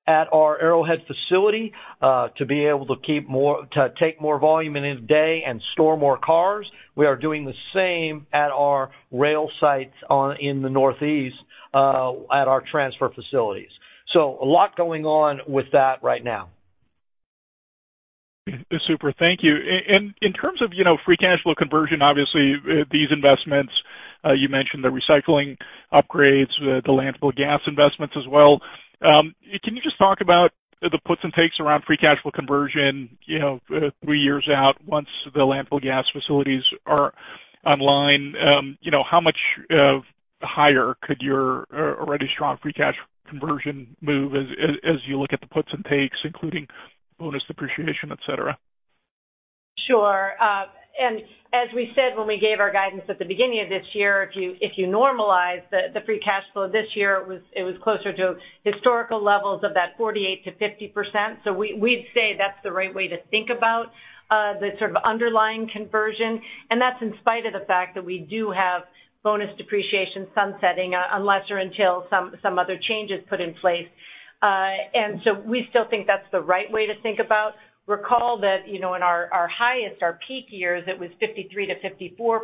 at our Arrowhead facility to be able to take more volume in a day and store more cars. We are doing the same at our rail sites in the Northeast at our transfer facilities. So, a lot going on with that right now. Super. Thank you. In terms of free cash flow conversion, obviously, these investments, you mentioned the recycling upgrades, the landfill gas investments as well. Can you just talk about the puts and takes around free cash flow conversion 3 years out once the landfill gas facilities are online? How much higher could your already strong free cash conversion move as you look at the puts and takes, including bonus depreciation, etc.? Sure. And as we said when we gave our guidance at the beginning of this year, if you normalize the free cash flow this year, it was closer to historical levels of that 48%-50%. So we'd say that's the right way to think about the sort of underlying conversion. And that's in spite of the fact that we do have bonus depreciation sunsetting unless or until some other changes put in place. And so we still think that's the right way to think about. Recall that in our highest, our peak years, it was 53%-54%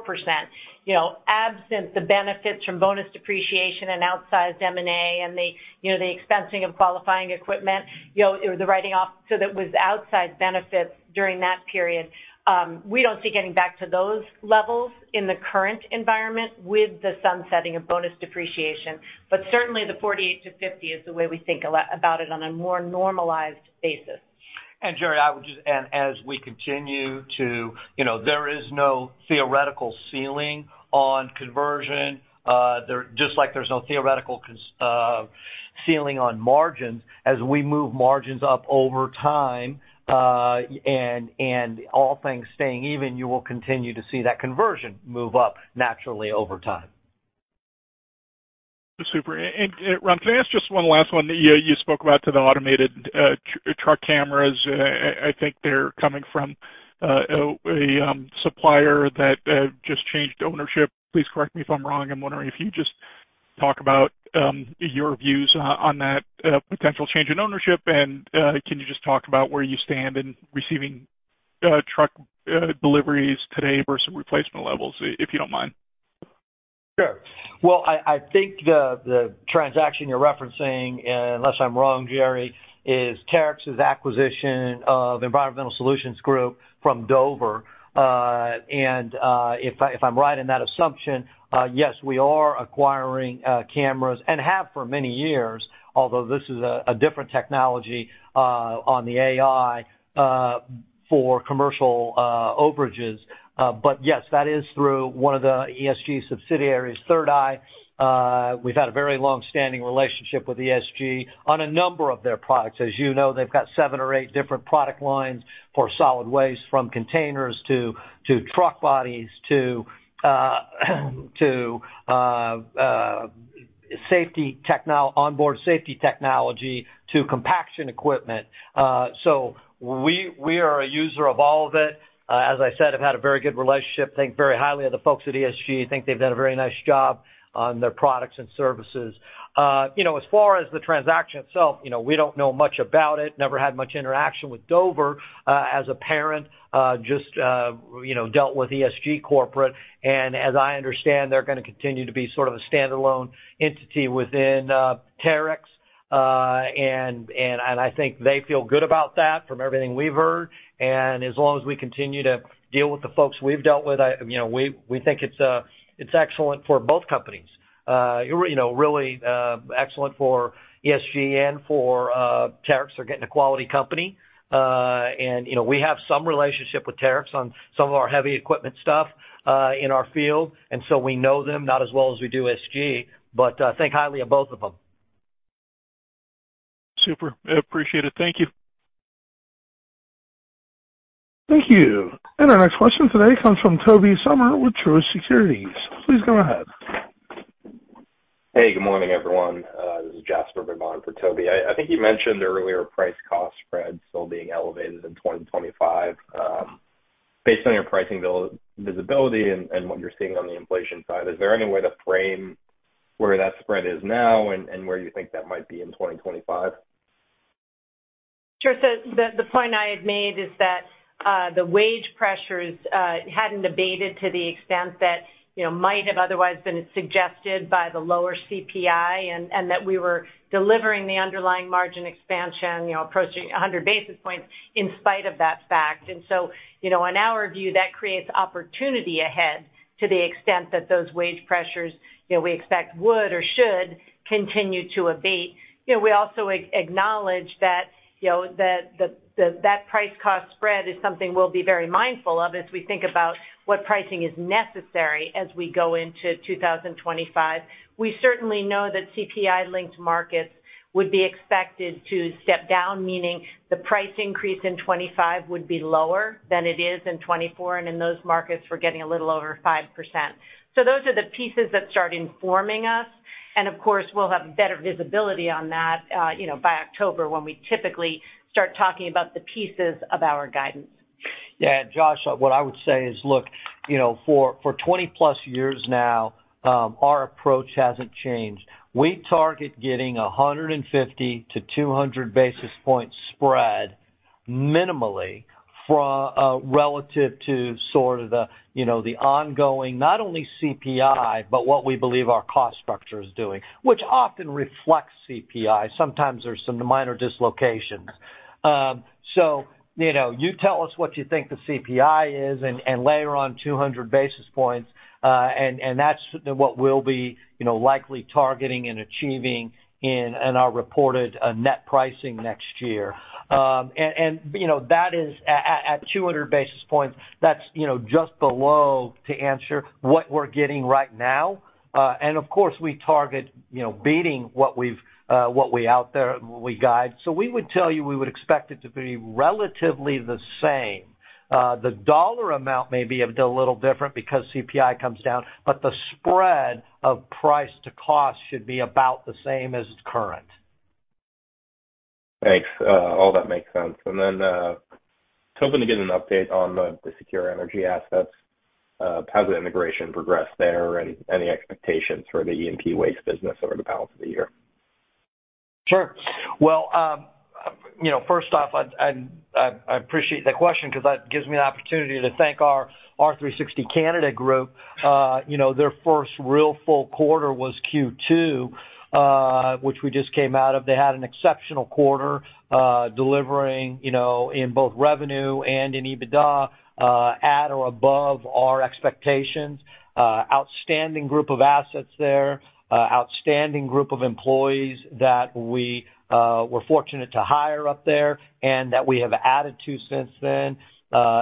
absent the benefits from bonus depreciation and outsized M&A and the expensing of qualifying equipment. So that was outside benefits during that period. We don't see getting back to those levels in the current environment with the sunsetting of bonus depreciation. Certainly, the 48-50 is the way we think about it on a more normalized basis. Jerry, I would just add, as we continue to there is no theoretical ceiling on conversion. Just like there's no theoretical ceiling on margins. As we move margins up over time and all things staying even, you will continue to see that conversion move up naturally over time. Super. And Ron, can I ask just one last one? You spoke about the automated truck cameras. I think they're coming from a supplier that just changed ownership. Please correct me if I'm wrong. I'm wondering if you just talk about your views on that potential change in ownership. And can you just talk about where you stand in receiving truck deliveries today versus replacement levels, if you don't mind? Sure. Well, I think the transaction you're referencing, unless I'm wrong, Jerry, is Terex's acquisition of Environmental Solutions Group from Dover. And if I'm right in that assumption, yes, we are acquiring cameras and have for many years, although this is a different technology on the AI for commercial overages. But yes, that is through one of the ESG subsidiaries, 3rd Eye. We've had a very long-standing relationship with ESG on a number of their products. As you know, they've got seven or eight different product lines for solid waste, from containers to truck bodies to onboard safety technology to compaction equipment. So we are a user of all of it. As I said, I've had a very good relationship. Think very highly of the folks at ESG. I think they've done a very nice job on their products and services. As far as the transaction itself, we don't know much about it. Never had much interaction with Dover as a parent. Just dealt with ESG Corporate. And as I understand, they're going to continue to be sort of a standalone entity within Terex. And I think they feel good about that from everything we've heard. And as long as we continue to deal with the folks we've dealt with, we think it's excellent for both companies. Really excellent for ESG and for Terex. They're getting a quality company. And we have some relationship with Terex on some of our heavy equipment stuff in our field. And so we know them not as well as we do ESG, but I think highly of both of them. Super. Appreciate it. Thank you. Thank you. And our next question today comes from Toby Sommer with Truist Securities. Please go ahead. Hey, good morning, everyone. This is Jasper Bibb for Toby. I think you mentioned earlier price-cost spread still being elevated in 2025. Based on your pricing visibility and what you're seeing on the inflation side, is there any way to frame where that spread is now and where you think that might be in 2025? Sure. The point I had made is that the wage pressures hadn't abated to the extent that might have otherwise been suggested by the lower CPI and that we were delivering the underlying margin expansion approaching 100 basis points in spite of that fact. And so on our view, that creates opportunity ahead to the extent that those wage pressures we expect would or should continue to abate. We also acknowledge that that price-cost spread is something we'll be very mindful of as we think about what pricing is necessary as we go into 2025. We certainly know that CPI-linked markets would be expected to step down, meaning the price increase in 2025 would be lower than it is in 2024. And in those markets, we're getting a little over 5%. So those are the pieces that start informing us. Of course, we'll have better visibility on that by October when we typically start talking about the pieces of our guidance. Yeah. Josh, what I would say is, look, for 20+ years now, our approach hasn't changed. We target getting 150-200 basis points spread minimally relative to sort of the ongoing, not only CPI, but what we believe our cost structure is doing, which often reflects CPI. Sometimes there's some minor dislocations. So you tell us what you think the CPI is and layer on 200 basis points. And that's what we'll be likely targeting and achieving in our reported net pricing next year. And that is at 200 basis points. That's just below to answer what we're getting right now. And of course, we target beating what we out there and what we guide. So we would tell you we would expect it to be relatively the same. The dollar amount may be a little different because CPI comes down, but the spread of price to cost should be about the same as current. Thanks. All that makes sense. And then, can we get an update on the Secure Energy assets. How's the integration progress there and the expectations for the E&P waste business over the balance of the year? Sure. Well, first off, I appreciate the question because that gives me an opportunity to thank our R360 Canada group. Their first real full quarter was Q2, which we just came out of. They had an exceptional quarter delivering in both revenue and in EBITDA at or above our expectations. Outstanding group of assets there. Outstanding group of employees that we were fortunate to hire up there and that we have added to since then.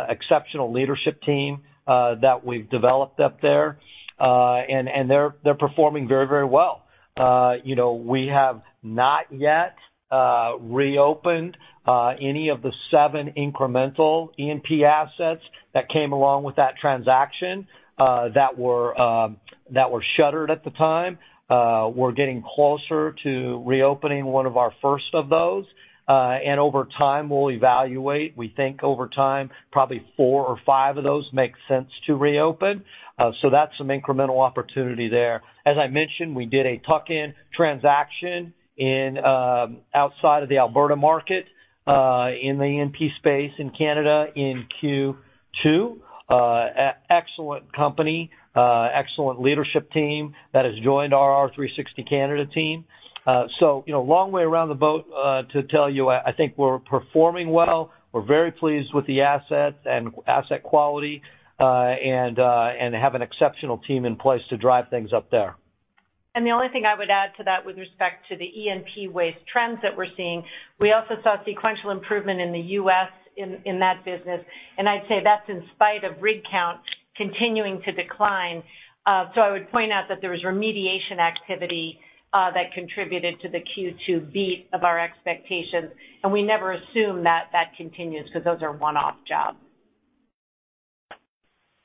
Exceptional leadership team that we've developed up there. And they're performing very, very well. We have not yet reopened any of the seven incremental E&P assets that came along with that transaction that were shuttered at the time. We're getting closer to reopening one of our first of those. And over time, we'll evaluate. We think over time, probably four or five of those make sense to reopen. So that's some incremental opportunity there. As I mentioned, we did a tuck-in transaction outside of the Alberta market in the E&P space in Canada in Q2. Excellent company, excellent leadership team that has joined our R360 Canada team. So long way around the boat to tell you, I think we're performing well. We're very pleased with the assets and asset quality and have an exceptional team in place to drive things up there. The only thing I would add to that with respect to the E&P waste trends that we're seeing, we also saw sequential improvement in the U.S. in that business. I'd say that's in spite of rig count continuing to decline. I would point out that there was remediation activity that contributed to the Q2 beat of our expectations. We never assume that that continues because those are one-off jobs.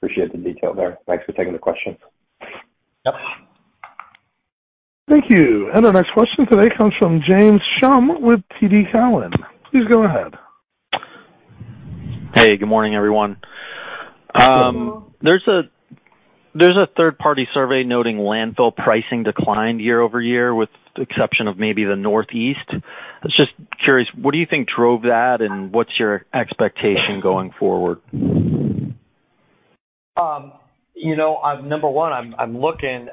Appreciate the detail there. Thanks for taking the question. Yep. Thank you. And our next question today comes from James Schumm with TD Cowen. Please go ahead. Hey, good morning, everyone. There's a third-party survey noting landfill pricing declined year-over-year with the exception of maybe the Northeast. Just curious, what do you think drove that and what's your expectation going forward? Number one, I'm looking,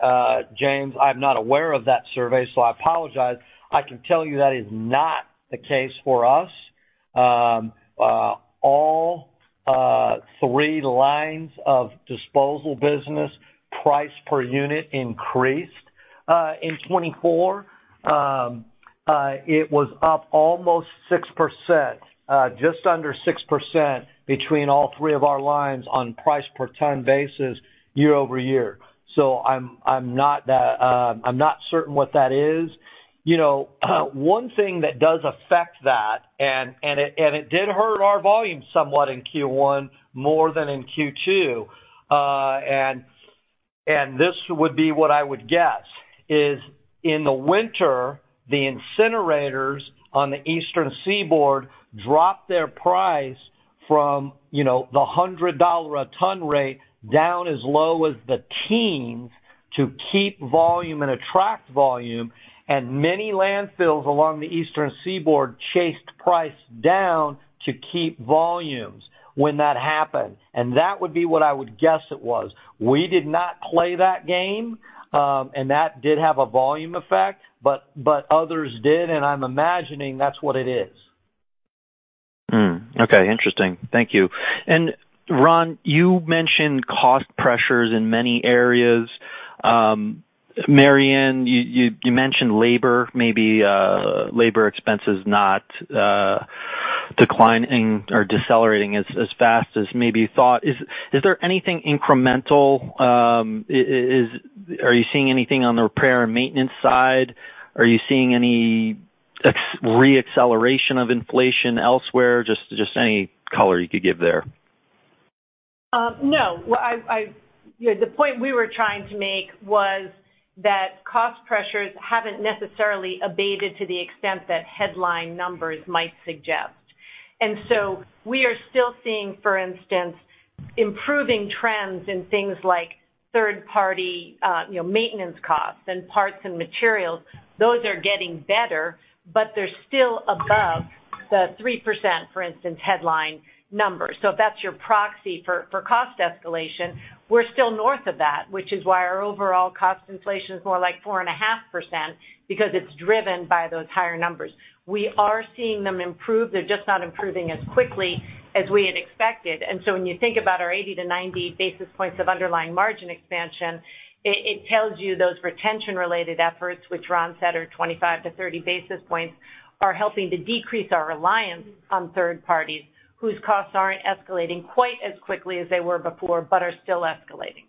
James. I'm not aware of that survey, so I apologize. I can tell you that is not the case for us. All three lines of disposal business price per unit increased in 2024. It was up almost 6%, just under 6% between all three of our lines on price per ton basis year-over-year. So I'm not certain what that is. One thing that does affect that, and it did hurt our volume somewhat in Q1 more than in Q2, and this would be what I would guess, is in the winter, the incinerators on the Eastern Seaboard dropped their price from the $100 a ton rate down as low as the teens to keep volume and attract volume. And many landfills along the Eastern Seaboard chased price down to keep volumes when that happened. And that would be what I would guess it was. We did not play that game, and that did have a volume effect, but others did. And I'm imagining that's what it is. Okay. Interesting. Thank you. And Ron, you mentioned cost pressures in many areas. Mary Anne, you mentioned labor, maybe labor expenses not declining or decelerating as fast as maybe you thought. Is there anything incremental? Are you seeing anything on the repair and maintenance side? Are you seeing any re-acceleration of inflation elsewhere? Just any color you could give there. No. The point we were trying to make was that cost pressures haven't necessarily abated to the extent that headline numbers might suggest. And so we are still seeing, for instance, improving trends in things like third-party maintenance costs and parts and materials. Those are getting better, but they're still above the 3%, for instance, headline numbers. So if that's your proxy for cost escalation, we're still north of that, which is why our overall cost inflation is more like 4.5% because it's driven by those higher numbers. We are seeing them improve. They're just not improving as quickly as we had expected. And so when you think about our 80-90 basis points of underlying margin expansion, it tells you those retention-related efforts, which Ron said are 25-30 basis points, are helping to decrease our reliance on third parties whose costs aren't escalating quite as quickly as they were before but are still escalating.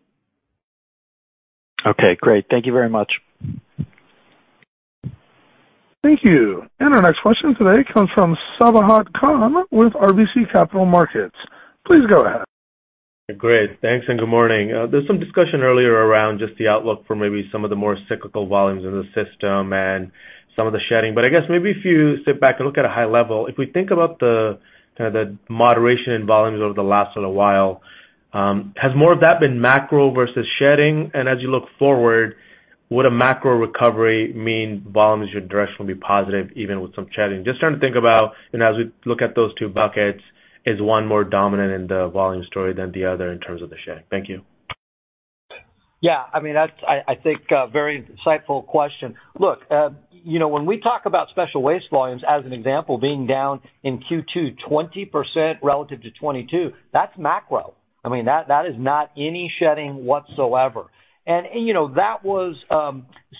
Okay. Great. Thank you very much. Thank you. And our next question today comes from Sabahat Khan with RBC Capital Markets. Please go ahead. Great. Thanks and good morning. There's some discussion earlier around just the outlook for maybe some of the more cyclical volumes in the system and some of the shedding. But I guess maybe if you sit back and look at a high level, if we think about the kind of the moderation in volumes over the last little while, has more of that been macro versus shedding? And as you look forward, would a macro recovery mean volumes your direction will be positive even with some shedding? Just trying to think about, and as we look at those two buckets, is one more dominant in the volume story than the other in terms of the shedding? Thank you. Yeah. I mean, I think very insightful question. Look, when we talk about special waste volumes as an example being down in Q2 20% relative to 2022, that's macro. I mean, that is not any shedding whatsoever. And that was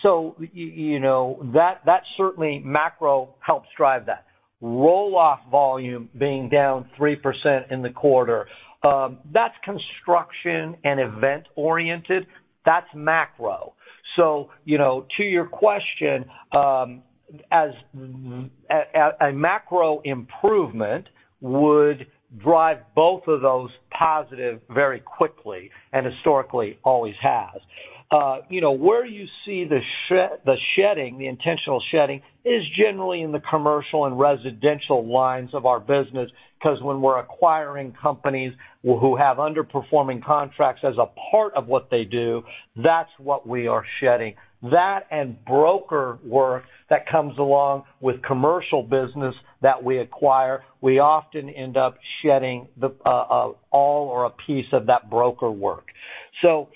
so that certainly macro helps drive that. Roll-off volume being down 3% in the quarter, that's construction and event-oriented. That's macro. So to your question, a macro improvement would drive both of those positive very quickly and historically always has. Where you see the shedding, the intentional shedding, is generally in the commercial and residential lines of our business because when we're acquiring companies who have underperforming contracts as a part of what they do, that's what we are shedding. That and broker work that comes along with commercial business that we acquire, we often end up shedding all or a piece of that broker work. So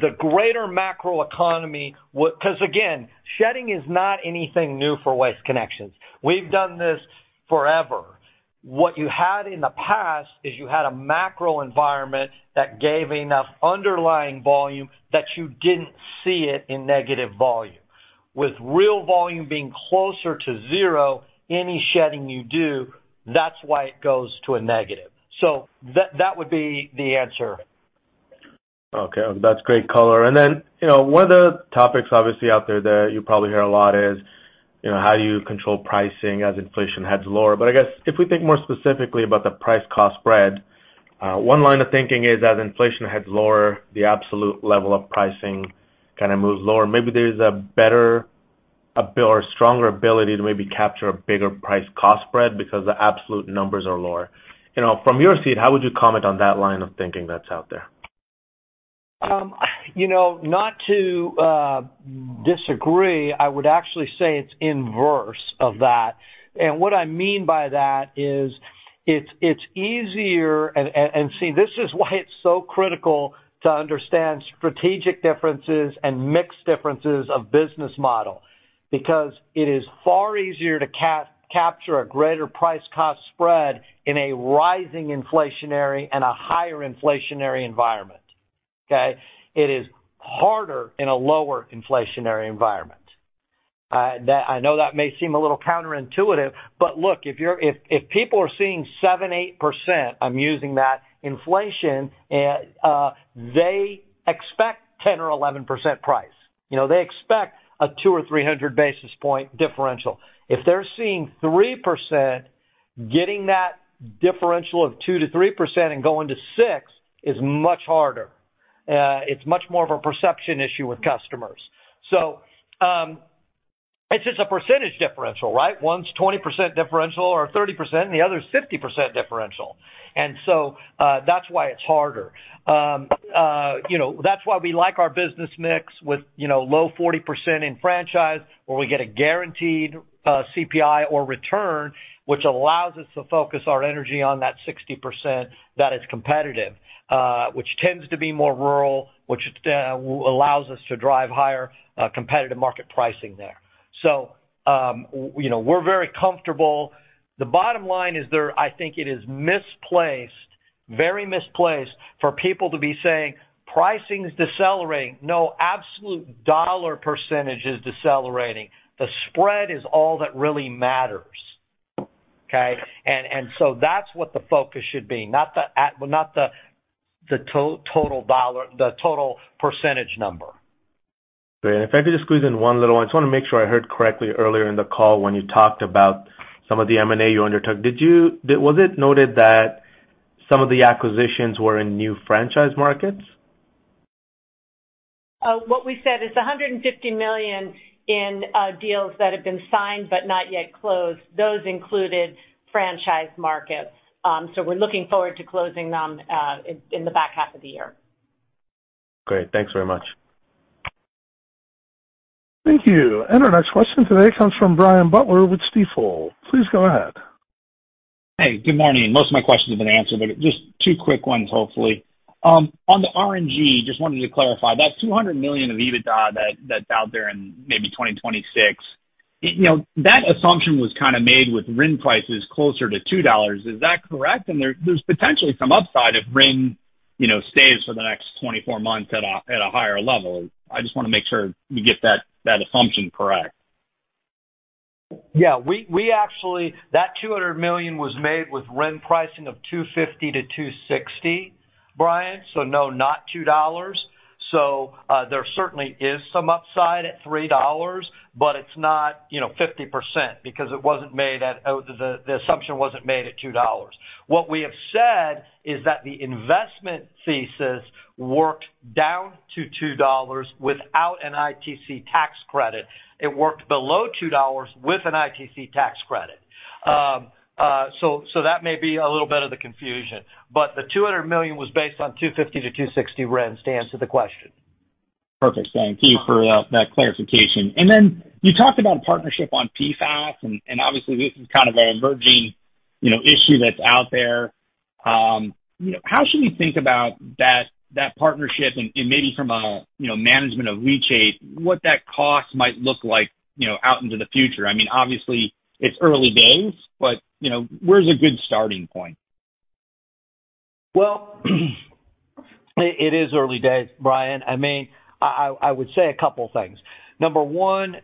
the greater macro economy, because again, shedding is not anything new for Waste Connections. We've done this forever. What you had in the past is you had a macro environment that gave enough underlying volume that you didn't see it in negative volume. With real volume being closer to zero, any shedding you do, that's why it goes to a negative. So that would be the answer. Okay. That's great color. And then one of the topics obviously out there that you probably hear a lot is how do you control pricing as inflation heads lower? But I guess if we think more specifically about the price-cost spread, one line of thinking is as inflation heads lower, the absolute level of pricing kind of moves lower. Maybe there's a better or stronger ability to maybe capture a bigger price-cost spread because the absolute numbers are lower. From your seat, how would you comment on that line of thinking that's out there? Not to disagree, I would actually say it's inverse of that. And what I mean by that is it's easier and see, this is why it's so critical to understand strategic differences and mixed differences of business model because it is far easier to capture a greater price-cost spread in a rising inflationary and a higher inflationary environment. Okay? It is harder in a lower inflationary environment. I know that may seem a little counterintuitive, but look, if people are seeing seven, eight percent, I'm using that inflation, they expect 10% or 11% price. They expect a two or 300 basis point differential. If they're seeing 3%, getting that differential of two to three percent and going to six is much harder. It's much more of a perception issue with customers. So it's just a percentage differential, right? One's 20% differential or 30%, and the other's 50% differential. So that's why it's harder. That's why we like our business mix with low 40% in franchise where we get a guaranteed CPI or return, which allows us to focus our energy on that 60% that is competitive, which tends to be more rural, which allows us to drive higher competitive market pricing there. So we're very comfortable. The bottom line is there, I think it is misplaced, very misplaced for people to be saying pricing is decelerating. No, absolute dollar percentage is decelerating. The spread is all that really matters. Okay? So that's what the focus should be, not the total percentage number. Great. If I could just squeeze in one little one, I just want to make sure I heard correctly earlier in the call when you talked about some of the M&A you undertook. Was it noted that some of the acquisitions were in new franchise markets? What we said is $150 million in deals that have been signed but not yet closed. Those included franchise markets. So we're looking forward to closing them in the back half of the year. Great. Thanks very much. Thank you. And our next question today comes from Brian Butler with Stifel. Please go ahead. Hey, good morning. Most of my questions have been answered, but just two quick ones, hopefully. On the RNG, just wanted to clarify that 200 million of EBITDA that's out there in maybe 2026, that assumption was kind of made with RIN prices closer to $2. Is that correct? And there's potentially some upside if RIN stays for the next 24 months at a higher level. I just want to make sure we get that assumption correct. Yeah. That $200 million was made with RIN pricing of $250-$260, Brian. So no, not $2. So there certainly is some upside at $3, but it's not 50% because it wasn't made at the assumption wasn't made at $2. What we have said is that the investment thesis worked down to $2 without an ITC tax credit. It worked below $2 with an ITC tax credit. So that may be a little bit of the confusion. But the $200 million was based on 250-260 RIN to answer the question. Perfect. Thank you for that clarification. And then you talked about a partnership on PFAS, and obviously, this is kind of an emerging issue that's out there. How should we think about that partnership and maybe from a management of leachate, what that cost might look like out into the future? I mean, obviously, it's early days, but where's a good starting point? Well, it is early days, Brian. I mean, I would say a couple of things. Number one,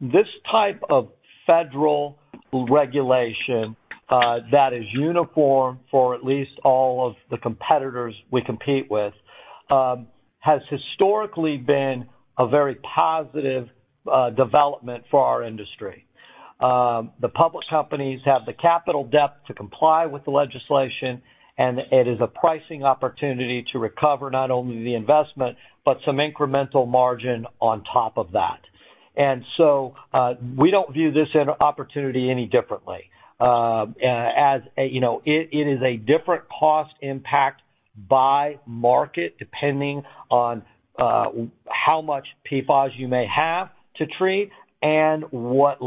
this type of federal regulation that is uniform for at least all of the competitors we compete with has historically been a very positive development for our industry. The public companies have the capital depth to comply with the legislation, and it is a pricing opportunity to recover not only the investment, but some incremental margin on top of that. And so we don't view this opportunity any differently. It is a different cost impact by market depending on how much PFAS you may have to treat and what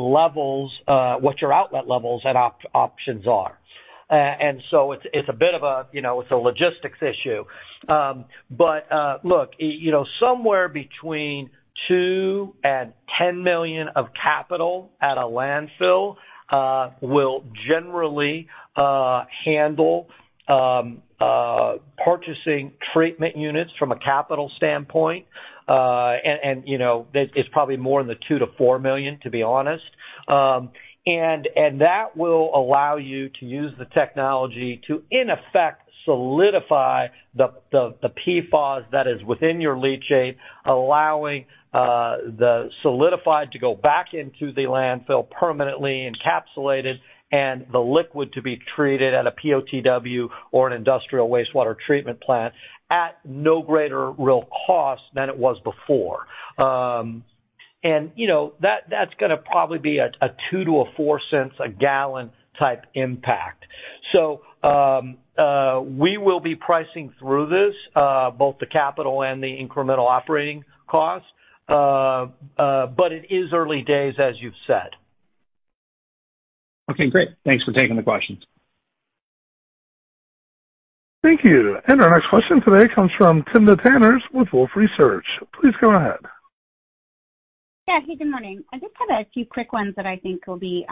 your outlet levels and options are. And so it's a bit of a logistics issue. But look, somewhere between $2 million-$10 million of capital at a landfill will generally handle purchasing treatment units from a capital standpoint. It's probably more in the $2 million-$4 million, to be honest. That will allow you to use the technology to, in effect, solidify the PFAS that is within your leachate, allowing the solidified to go back into the landfill permanently encapsulated and the liquid to be treated at a POTW or an industrial wastewater treatment plant at no greater real cost than it was before. That's going to probably be a $0.02-$0.04 a gallon type impact. We will be pricing through this, both the capital and the incremental operating cost, but it is early days, as you've said. Okay. Great. Thanks for taking the questions. Thank you. Our next question today comes from Timna Tanners with Wolfe Research. Please go ahead. Yeah. Hey, good morning. I just have a few quick ones that I think will be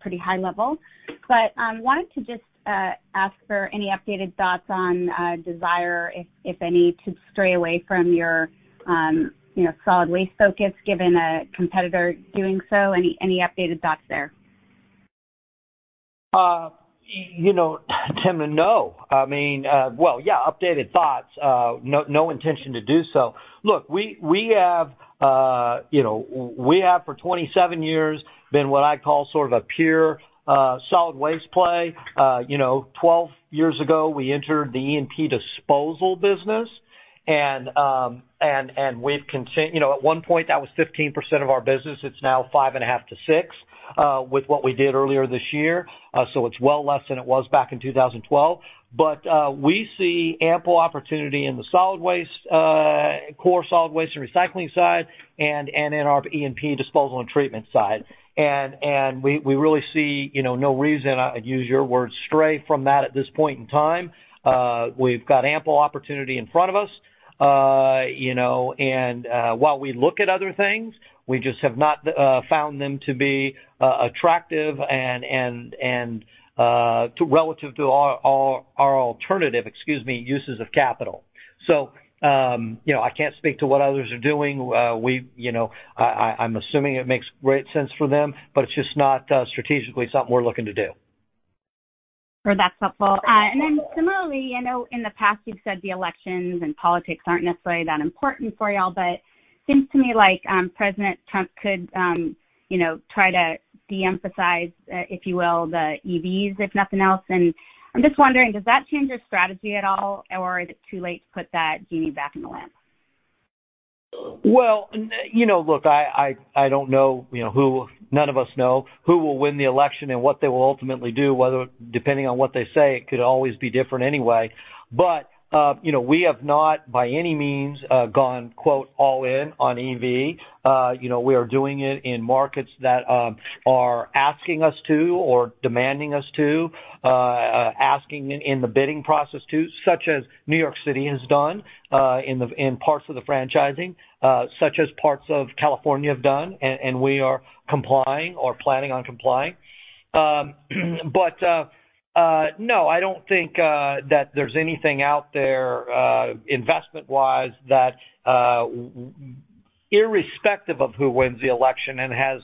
pretty high level, but wanted to just ask for any updated thoughts on desire, if any, to stray away from your solid waste focus given a competitor doing so? Any updated thoughts there? Timna? No. I mean, well, yeah, updated thoughts. No intention to do so. Look, we have for 27 years been what I call sort of a pure solid waste play. 12 years ago, we entered the E&P disposal business, and we've at one point, that was 15% of our business. It's now 5.5%-6% with what we did earlier this year. So it's well less than it was back in 2012. But we see ample opportunity in the core solid waste and recycling side and in our E&P disposal and treatment side. And we really see no reason, I'd use your word, stray from that at this point in time. We've got ample opportunity in front of us. And while we look at other things, we just have not found them to be attractive and relative to our alternative, excuse me, uses of capital. I can't speak to what others are doing. I'm assuming it makes great sense for them, but it's just not strategically something we're looking to do. That's helpful. And then similarly, I know in the past you've said the elections and politics aren't necessarily that important for y'all, but it seems to me like President Trump could try to de-emphasize, if you will, the EVs, if nothing else. And I'm just wondering, does that change your strategy at all, or is it too late to put that genie back in the lamp? Well, look, I don't know who none of us know who will win the election and what they will ultimately do, depending on what they say. It could always be different anyway. But we have not, by any means, gone "all in" on EV. We are doing it in markets that are asking us to or demanding us to, asking in the bidding process to, such as New York City has done in parts of the franchising, such as parts of California have done, and we are complying or planning on complying. But no, I don't think that there's anything out there investment-wise that, irrespective of who wins the election and has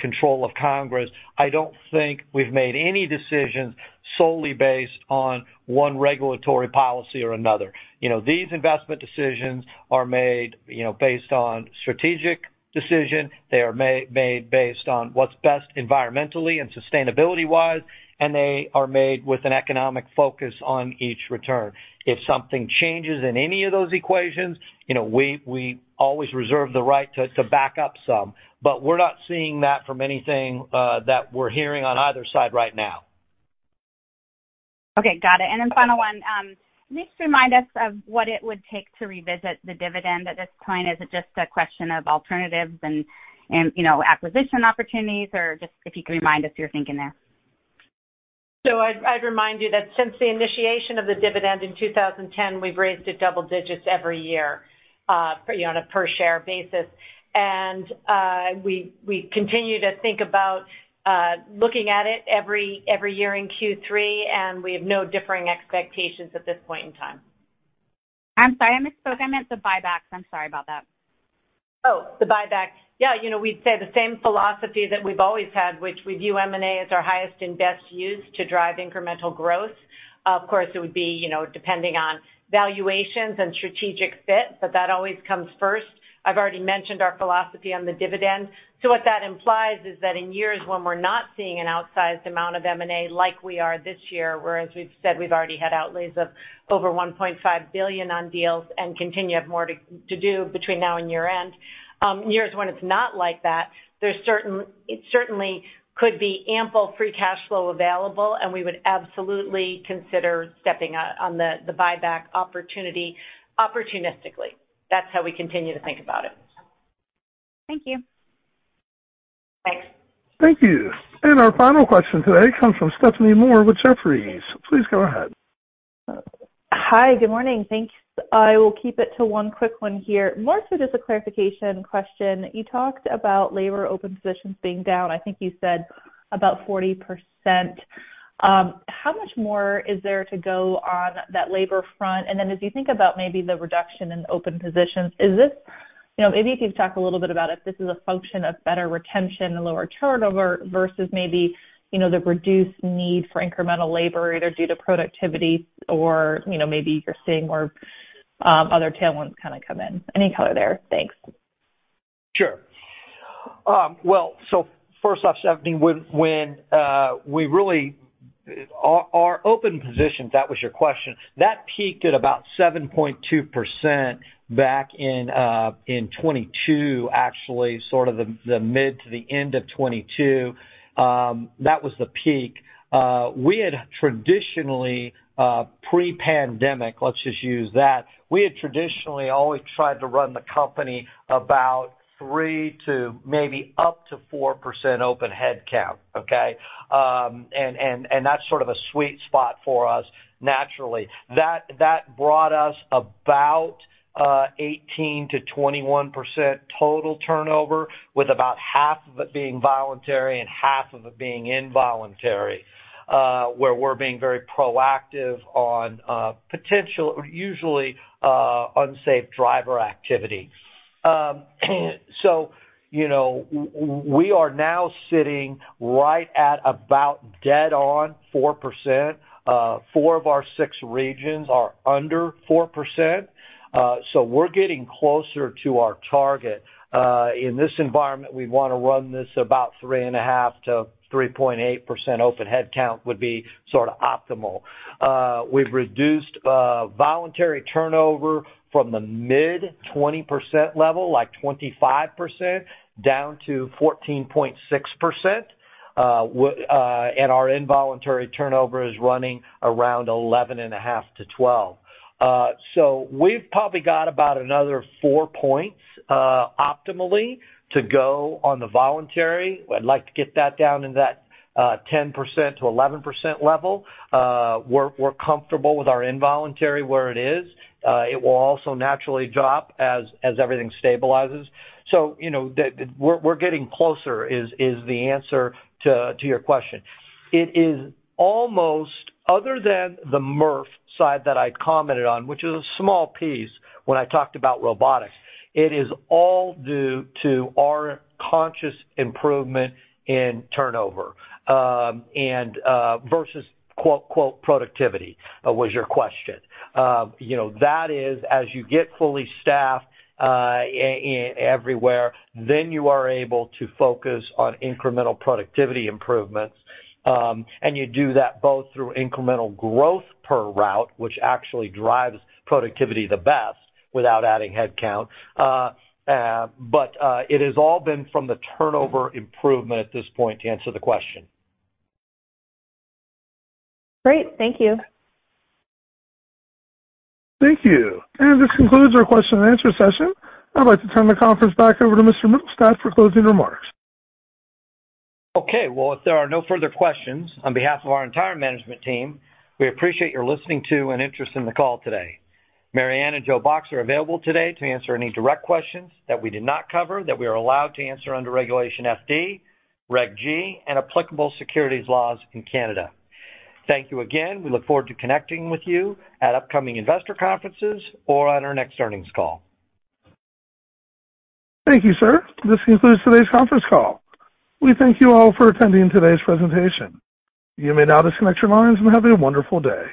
control of Congress, I don't think we've made any decisions solely based on one regulatory policy or another. These investment decisions are made based on strategic decision. They are made based on what's best environmentally and sustainability-wise, and they are made with an economic focus on each return. If something changes in any of those equations, we always reserve the right to back up some, but we're not seeing that from anything that we're hearing on either side right now. Okay. Got it. And then final one, can you just remind us of what it would take to revisit the dividend at this point? Is it just a question of alternatives and acquisition opportunities, or just if you can remind us your thinking there? I'd remind you that since the initiation of the dividend in 2010, we've raised it double digits every year on a per-share basis. We continue to think about looking at it every year in Q3, and we have no differing expectations at this point in time. I'm sorry. I misspoke. I meant the buybacks. I'm sorry about that. Oh, the buyback. Yeah. We'd say the same philosophy that we've always had, which we view M&A as our highest and best use to drive incremental growth. Of course, it would be depending on valuations and strategic fit, but that always comes first. I've already mentioned our philosophy on the dividend. So what that implies is that in years when we're not seeing an outsized amount of M&A like we are this year, whereas we've said we've already had outlays of over $1.5 billion on deals and continue to have more to do between now and year-end, years when it's not like that, there certainly could be ample free cash flow available, and we would absolutely consider stepping on the buyback opportunity opportunistically. That's how we continue to think about it. Thank you. Thanks. Thank you. Our final question today comes from Stephanie Moore with Jefferies. Please go ahead. Hi. Good morning. Thanks. I will keep it to one quick one here. More so just a clarification question. You talked about labor open positions being down. I think you said about 40%. How much more is there to go on that labor front? And then as you think about maybe the reduction in open positions, is this maybe if you could talk a little bit about if this is a function of better retention and lower turnover versus maybe the reduced need for incremental labor either due to productivity or maybe you're seeing more other tailwinds kind of come in? Any color there? Thanks. Sure. Well, so first off, Stephanie, when we really our open positions, that was your question, that peaked at about 7.2% back in 2022, actually, sort of the mid to the end of 2022. That was the peak. We had traditionally, pre-pandemic, let's just use that, we had traditionally always tried to run the company about 3%-4% open headcount. Okay? And that's sort of a sweet spot for us naturally. That brought us about 18%-21% total turnover with about half of it being voluntary and half of it being involuntary, where we're being very proactive on potential, usually unsafe driver activity. So we are now sitting right at about dead on 4%. Four of our six regions are under 4%. So we're getting closer to our target. In this environment, we'd want to run this about 3.5%-3.8% open headcount would be sort of optimal. We've reduced voluntary turnover from the mid-20% level, like 25%, down to 14.6%. And our involuntary turnover is running around 11.5%-12%. So we've probably got about another four points optimally to go on the voluntary. I'd like to get that down into that 10%-11% level. We're comfortable with our involuntary where it is. It will also naturally drop as everything stabilizes. So we're getting closer is the answer to your question. It is almost, other than the MRF side that I commented on, which is a small piece when I talked about robotics. It is all due to our conscious improvement in turnover versus "productivity" was your question. That is, as you get fully staffed everywhere, then you are able to focus on incremental productivity improvements. And you do that both through incremental growth per route, which actually drives productivity the best without adding headcount. But it has all been from the turnover improvement at this point to answer the question. Great. Thank you. Thank you. This concludes our question and answer session. I'd like to turn the conference back over to Mr. Mittelstaedt for closing remarks. Okay. Well, if there are no further questions on behalf of our entire management team, we appreciate your listening to and interest in the call today. Mary Anne and Joe Box are available today to answer any direct questions that we did not cover that we are allowed to answer under Regulation FD, Regulation G, and applicable securities laws in Canada. Thank you again. We look forward to connecting with you at upcoming investor conferences or on our next earnings call. Thank you, sir. This concludes today's conference call. We thank you all for attending today's presentation. You may now disconnect your lines and have a wonderful day.